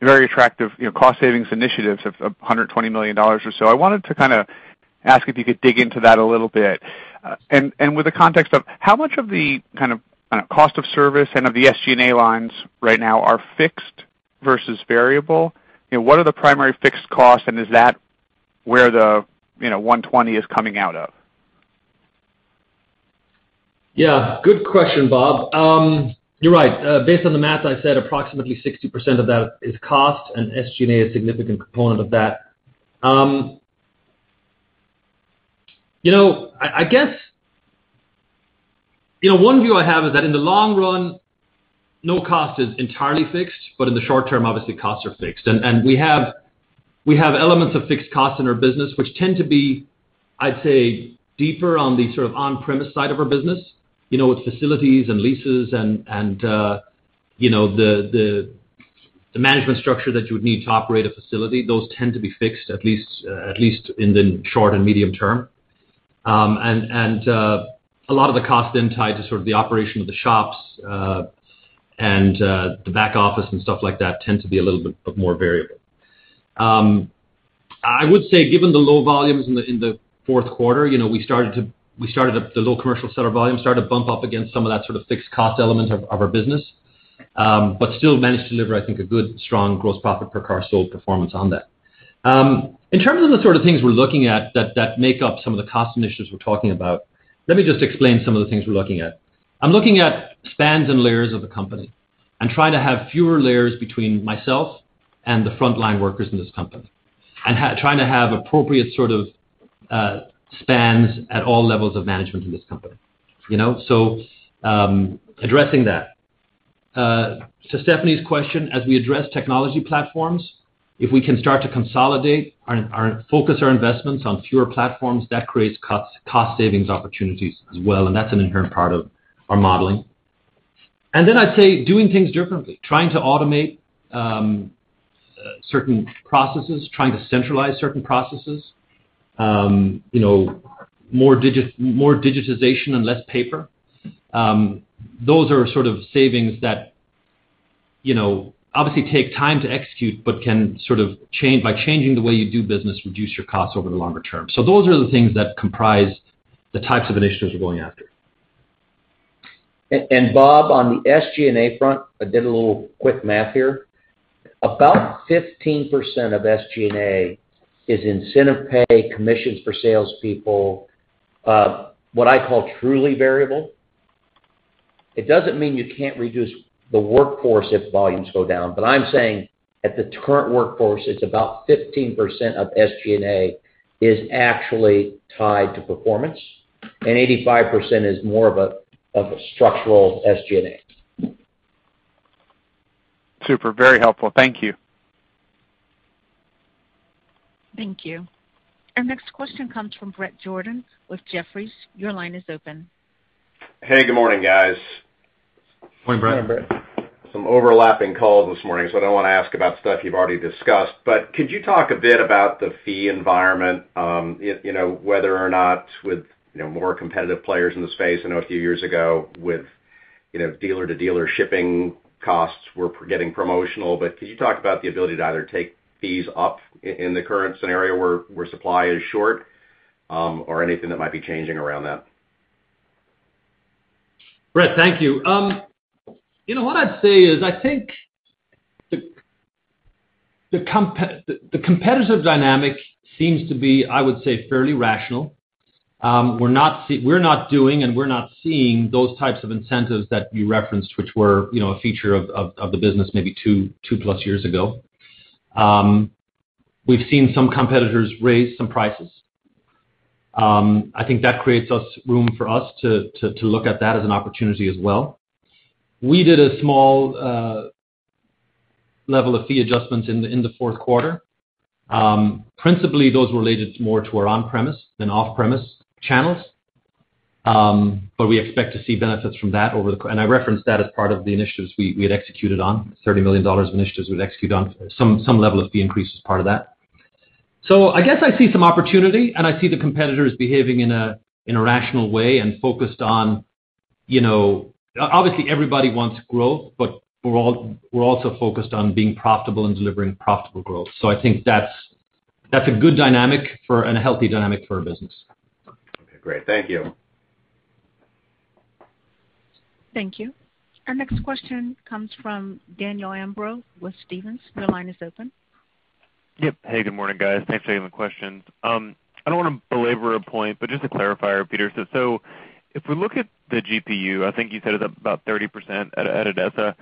very attractive, you know, cost savings initiatives of $120 million or so. I wanted to kinda ask if you could dig into that a little bit. With the context of how much of the kind of, I dunno, cost of service and of the SG&A lines right now are fixed versus variable? You know, what are the primary fixed costs and is that where the, you know, $120 is coming out of?
Yeah, good question, Bob. You're right. Based on the math I said approximately 60% of that is cost and SG&A, a significant component of that. You know, I guess, you know, one view I have is that in the long run, no cost is entirely fixed, but in the short term, obviously costs are fixed. We have elements of fixed costs in our business which tend to be, I'd say, deeper on the sort of on-premise side of our business. You know, with facilities and leases and, you know, the management structure that you would need to operate a facility, those tend to be fixed at least in the short and medium term. A lot of the costs then tied to sort of the operation of the shops, the back office and stuff like that tend to be a little bit more variable. I would say given the low volumes in the fourth quarter, you know, we started the low commercial seller volume started to bump up against some of that sort of fixed cost elements of our business. Still managed to deliver, I think, a good strong gross profit per car sold performance on that. In terms of the sort of things we're looking at that make up some of the cost initiatives we're talking about, let me just explain some of the things we're looking at. I'm looking at spans and layers of the company and trying to have fewer layers between myself and the frontline workers in this company. Trying to have appropriate sort of spans at all levels of management in this company, you know. Addressing that. Stephanie's question, as we address technology platforms, if we can start to consolidate our and focus our investments on fewer platforms, that creates cost savings opportunities as well, and that's an inherent part of our modeling. I'd say doing things differently, trying to automate certain processes, trying to centralize certain processes. You know, more digitization and less paper. Those are sort of savings that, you know, obviously take time to execute but can sort of change by changing the way you do business, reduce your costs over the longer term. Those are the things that comprise the types of initiatives we're going after.
Bob, on the SG&A front, I did a little quick math here. About 15% of SG&A is incentive pay commissions for salespeople, what I call truly variable. It doesn't mean you can't reduce the workforce if volumes go down. I'm saying at the current workforce, it's about 15% of SG&A is actually tied to performance, and 85% is more of a structural SG&A.
Super, very helpful. Thank you.
Thank you. Our next question comes from Bret Jordan with Jefferies. Your line is open.
Hey, good morning, guys.
Morning, Bret.
Morning, Bret.
Some overlapping calls this morning, so I don't wanna ask about stuff you've already discussed. Could you talk a bit about the fee environment, you know, whether or not with, you know, more competitive players in the space? I know a few years ago with, you know, dealer-to-dealer shipping costs were getting promotional. Could you talk about the ability to either take fees up in the current scenario where supply is short, or anything that might be changing around that?
Bret, thank you. What I'd say is, I think the competitive dynamic seems to be, I would say, fairly rational. We're not doing and we're not seeing those types of incentives that you referenced, which were, you know, a feature of the business maybe 2+ years ago. We've seen some competitors raise some prices. I think that creates room for us to look at that as an opportunity as well. We did a small level of fee adjustments in the fourth quarter. Principally those related more to our on-premise than off-premise channels. We expect to see benefits from that over the. I referenced that as part of the initiatives we had executed on, $30 million of initiatives we'd execute on, some level of fee increase as part of that. I guess I see some opportunity, and I see the competitors behaving in a rational way and focused on, you know. Obviously, everybody wants growth, but we're also focused on being profitable and delivering profitable growth. I think that's a good dynamic for and a healthy dynamic for our business.
Okay, great. Thank you.
Thank you. Our next question comes from Daniel Imbro with Stephens. Your line is open.
Yep. Hey, good morning, guys. Thanks for taking the questions. I don't wanna belabor a point, but just to clarify, Peter. If we look at the GPU, I think you said it's up about 30% at ADESA.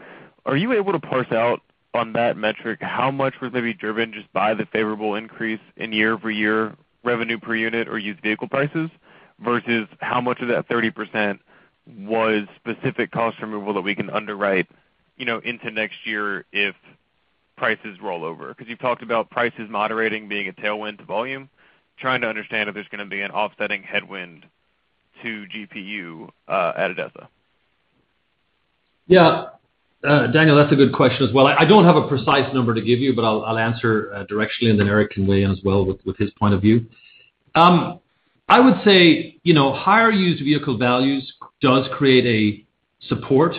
Are you able to parse out on that metric how much was maybe driven just by the favorable increase in year-over-year revenue per unit or used vehicle prices versus how much of that 30% was specific cost removal that we can underwrite, you know, into next year if prices roll over? 'Cause you've talked about prices moderating being a tailwind to volume. Trying to understand if there's gonna be an offsetting headwind to GPU at ADESA.
Yeah. Daniel, that's a good question as well. I don't have a precise number to give you, but I'll answer directionally and then Eric can weigh in as well with his point of view. I would say, you know, higher used vehicle values does create a support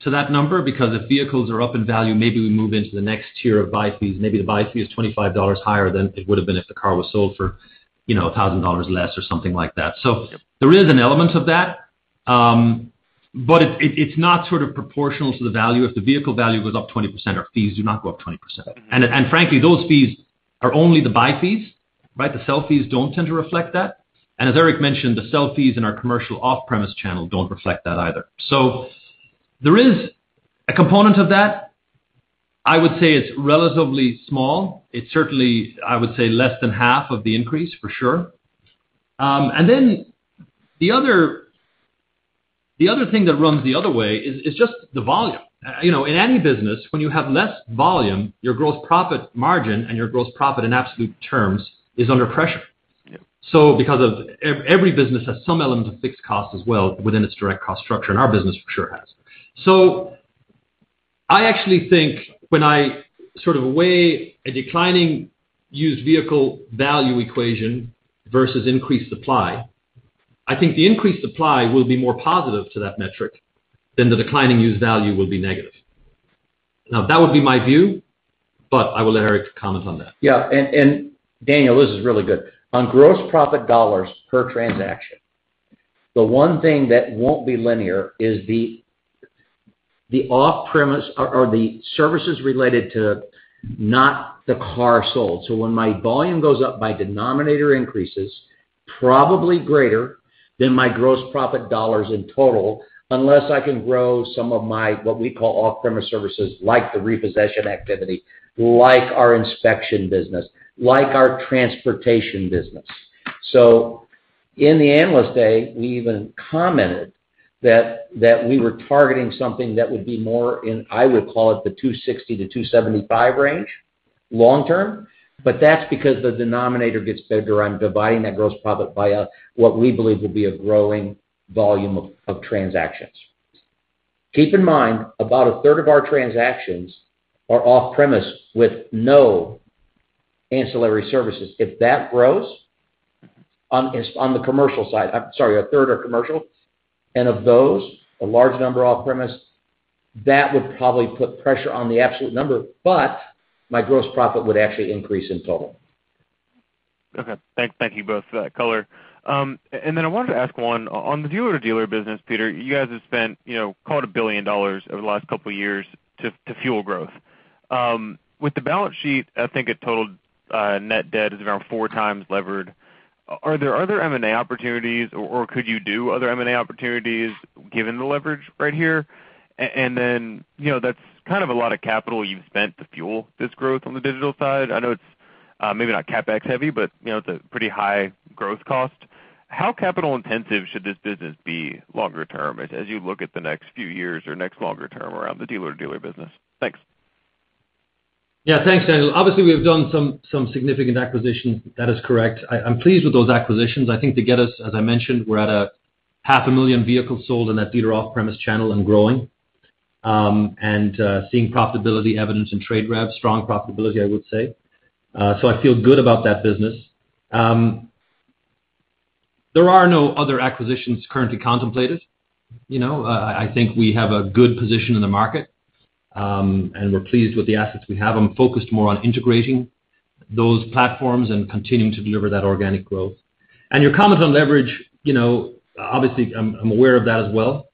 to that number because if vehicles are up in value, maybe we move into the next tier of buy fees. Maybe the buy fee is $25 higher than it would've been if the car was sold for, you know, $1,000 less or something like that. So there is an element of that, but it's not sort of proportional to the value. If the vehicle value goes up 20%, our fees do not go up 20%. And frankly, those fees are only the buy fees, right? The sell fees don't tend to reflect that. As Eric mentioned, the sell fees in our commercial off-premise channel don't reflect that either. There is a component of that. I would say it's relatively small. It's certainly, I would say, less than half of the increase for sure. The other thing that runs the other way is just the volume. You know, in any business, when you have less volume, your gross profit margin and your gross profit in absolute terms is under pressure.
Yeah.
Because every business has some element of fixed cost as well within its direct cost structure, and our business for sure has. I actually think when I sort of weigh a declining used vehicle value equation versus increased supply, I think the increased supply will be more positive to that metric than the declining used value will be negative. Now, that would be my view, but I will let Eric comment on that.
Yeah. Daniel, this is really good. On gross profit dollars per transaction, the one thing that won't be linear is the off-premise or the services related to not the car sold. When my volume goes up, my denominator increases probably greater than my gross profit dollars in total, unless I can grow some of my, what we call off-premise services, like the repossession activity, like our inspection business, like our transportation business. In the Analyst Day, we even commented that we were targeting something that would be more in, I would call it the $260-$275 range long term, but that's because the denominator gets bigger. I'm dividing that gross profit by what we believe will be a growing volume of transactions. Keep in mind, about a third of our transactions are off premise with no ancillary services. If that grows on the commercial side, I'm sorry, a third are commercial, and of those, a large number off premise, that would probably put pressure on the absolute number, but my gross profit would actually increase in total.
Okay. Thank you both for that color. And then I wanted to ask one. On the dealer-to-dealer business, Peter, you guys have spent, you know, close to $1 billion over the last couple years to fuel growth. With the balance sheet, I think it totaled, net debt is around 4x levered. Are there other M&A opportunities or could you do other M&A opportunities given the leverage right here? And then, you know, that's kind of a lot of capital you've spent to fuel this growth on the digital side. I know it's maybe not CapEx heavy, but, you know, it's a pretty high growth cost. How capital intensive should this business be longer term as you look at the next few years or next longer term around the dealer-to-dealer business? Thanks.
Yeah, thanks, Daniel. Obviously, we have done some significant acquisitions. That is correct. I'm pleased with those acquisitions. I think to get us, as I mentioned, we're at 500,000 vehicles sold in that dealer off-premise channel and growing. Seeing profitability evidenced in TradeRev. Strong profitability, I would say. So I feel good about that business. There are no other acquisitions currently contemplated. You know, I think we have a good position in the market, and we're pleased with the assets we have and focused more on integrating those platforms and continuing to deliver that organic growth. Your comments on leverage, you know, obviously I'm aware of that as well.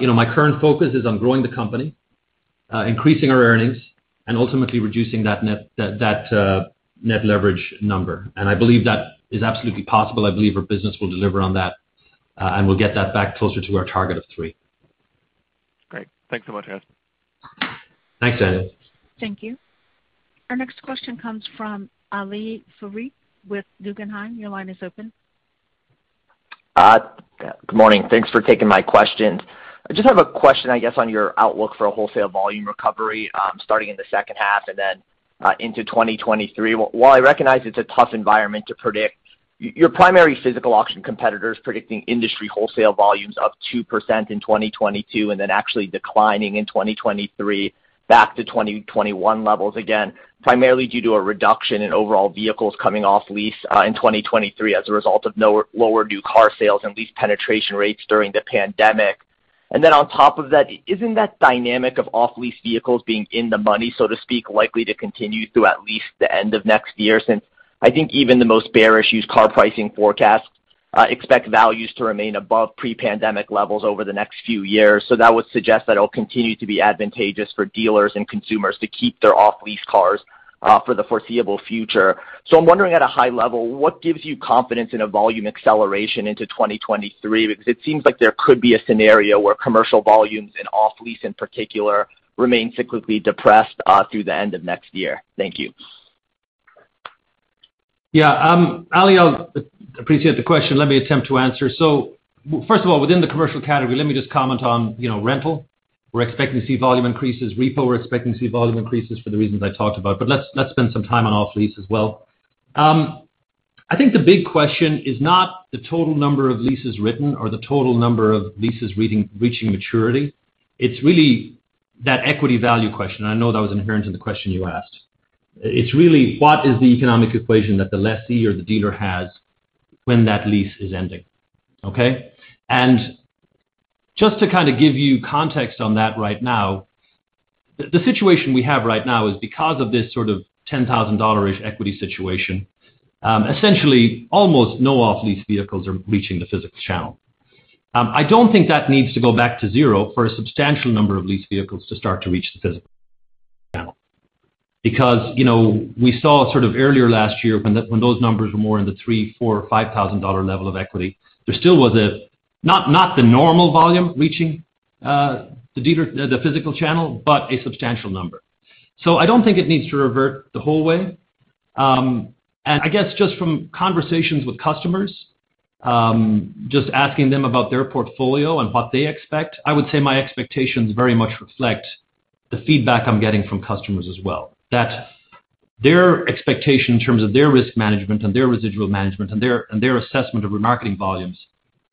You know, my current focus is on growing the company, increasing our earnings and ultimately reducing that net leverage number, and I believe that is absolutely possible. I believe our business will deliver on that, and we'll get that back closer to our target of three.
Great. Thanks so much, Loughmiller.
Thanks, Daniel.
Thank you. Our next question comes from Ali Faghri with Guggenheim. Your line is open.
Good morning. Thanks for taking my questions. I just have a question, I guess, on your outlook for a wholesale volume recovery, starting in the second half and then into 2023. While I recognize it's a tough environment to predict, your primary physical auction competitor is predicting industry wholesale volumes up 2% in 2022, and then actually declining in 2023 back to 2021 levels again, primarily due to a reduction in overall vehicles coming off lease in 2023 as a result of lower new car sales and lease penetration rates during the pandemic. On top of that, isn't that dynamic of off-lease vehicles being in the money, so to speak, likely to continue through at least the end of next year since I think even the most bearish used car pricing forecasts expect values to remain above pre-pandemic levels over the next few years. That would suggest that it'll continue to be advantageous for dealers and consumers to keep their off-lease cars for the foreseeable future. I'm wondering, at a high level, what gives you confidence in a volume acceleration into 2023? Because it seems like there could be a scenario where commercial volumes and off-lease in particular remain cyclically depressed through the end of next year. Thank you.
Yeah. Ali, I appreciate the question. Let me attempt to answer. First of all, within the commercial category, let me just comment on, you know, rental. We're expecting to see volume increases. Repo, we're expecting to see volume increases for the reasons I talked about. But let's spend some time on off-lease as well. I think the big question is not the total number of leases written or the total number of leases reaching maturity. It's really that equity value question, and I know that was inherent in the question you asked. It's really what is the economic equation that the lessee or the dealer has when that lease is ending, okay? Just to kinda give you context on that right now, the situation we have right now is because of this sort of $10,000-ish equity situation, essentially almost no off-lease vehicles are reaching the physical channel. I don't think that needs to go back to zero for a substantial number of leased vehicles to start to reach the physical channel. You know, we saw sort of earlier last year when those numbers were more in the $3,000-$5,000 level of equity, there still was not the normal volume reaching the physical channel, but a substantial number. I don't think it needs to revert the whole way. I guess just from conversations with customers, just asking them about their portfolio and what they expect, I would say my expectations very much reflect the feedback I'm getting from customers as well, that their expectation in terms of their risk management and their residual management and their assessment of remarketing volumes,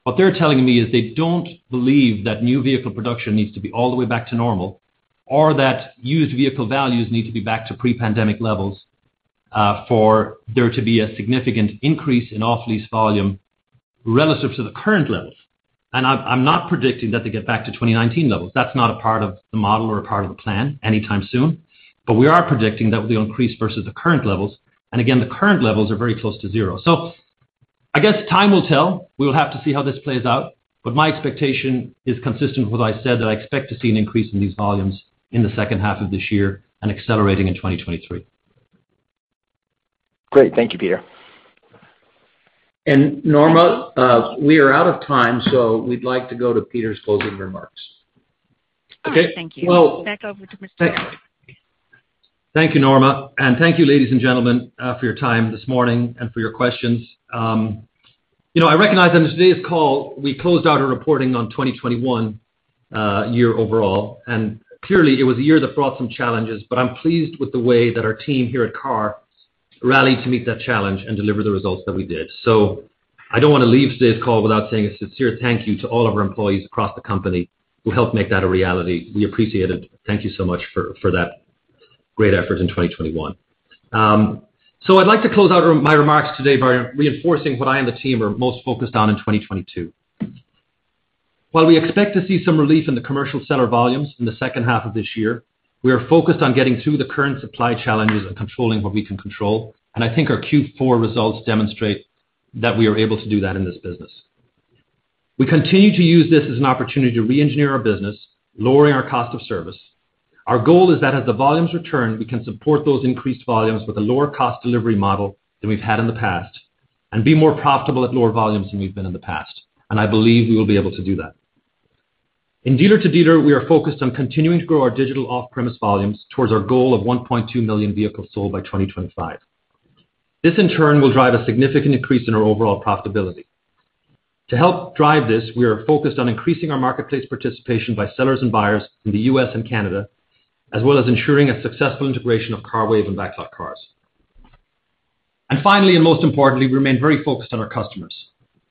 what they're telling me is they don't believe that new vehicle production needs to be all the way back to normal or that used vehicle values need to be back to pre-pandemic levels for there to be a significant increase in off-lease volume relative to the current levels. I'm not predicting that they get back to 2019 levels. That's not a part of the model or a part of the plan anytime soon. We are predicting that will increase versus the current levels, and again, the current levels are very close to zero. I guess time will tell. We'll have to see how this plays out, but my expectation is consistent with what I said, that I expect to see an increase in these volumes in the second half of this year and accelerating in 2023.
Great. Thank you, Peter.
Norma, we are out of time, so we'd like to go to Peter's closing remarks.
All right. Thank you.
Well-
Back over to Mr.
Thank you, Norma. Thank you, ladies and gentlemen, for your time this morning and for your questions. You know, I recognize on today's call we closed out our reporting on 2021 year overall, and clearly it was a year that brought some challenges, but I'm pleased with the way that our team here at KAR rallied to meet that challenge and deliver the results that we did. I don't wanna leave today's call without saying a sincere thank you to all of our employees across the company who helped make that a reality. We appreciate it. Thank you so much for that great effort in 2021. I'd like to close out my remarks today by reinforcing what I and the team are most focused on in 2022. While we expect to see some relief in the commercial seller volumes in the second half of this year, we are focused on getting through the current supply challenges and controlling what we can control, and I think our Q4 results demonstrate that we are able to do that in this business. We continue to use this as an opportunity to reengineer our business, lowering our cost of service. Our goal is that as the volumes return, we can support those increased volumes with a lower cost delivery model than we've had in the past and be more profitable at lower volumes than we've been in the past, and I believe we will be able to do that. In dealer-to-dealer, we are focused on continuing to grow our digital off-premise volumes towards our goal of 1.2 million vehicles sold by 2025. This, in turn, will drive a significant increase in our overall profitability. To help drive this, we are focused on increasing our marketplace participation by sellers and buyers in the U.S. and Canada, as well as ensuring a successful integration of CARWAVE and BacklotCars. Finally and most importantly, we remain very focused on our customers.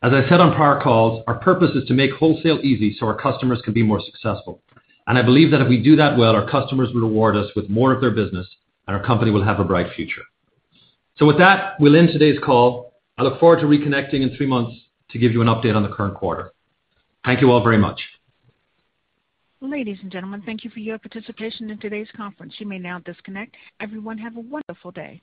As I said on prior calls, our purpose is to make wholesale easy so our customers can be more successful, and I believe that if we do that well, our customers will reward us with more of their business and our company will have a bright future. With that, we'll end today's call. I look forward to reconnecting in three months to give you an update on the current quarter. Thank you all very much.
Ladies and gentlemen, thank you for your participation in today's conference. You may now disconnect. Everyone have a wonderful day.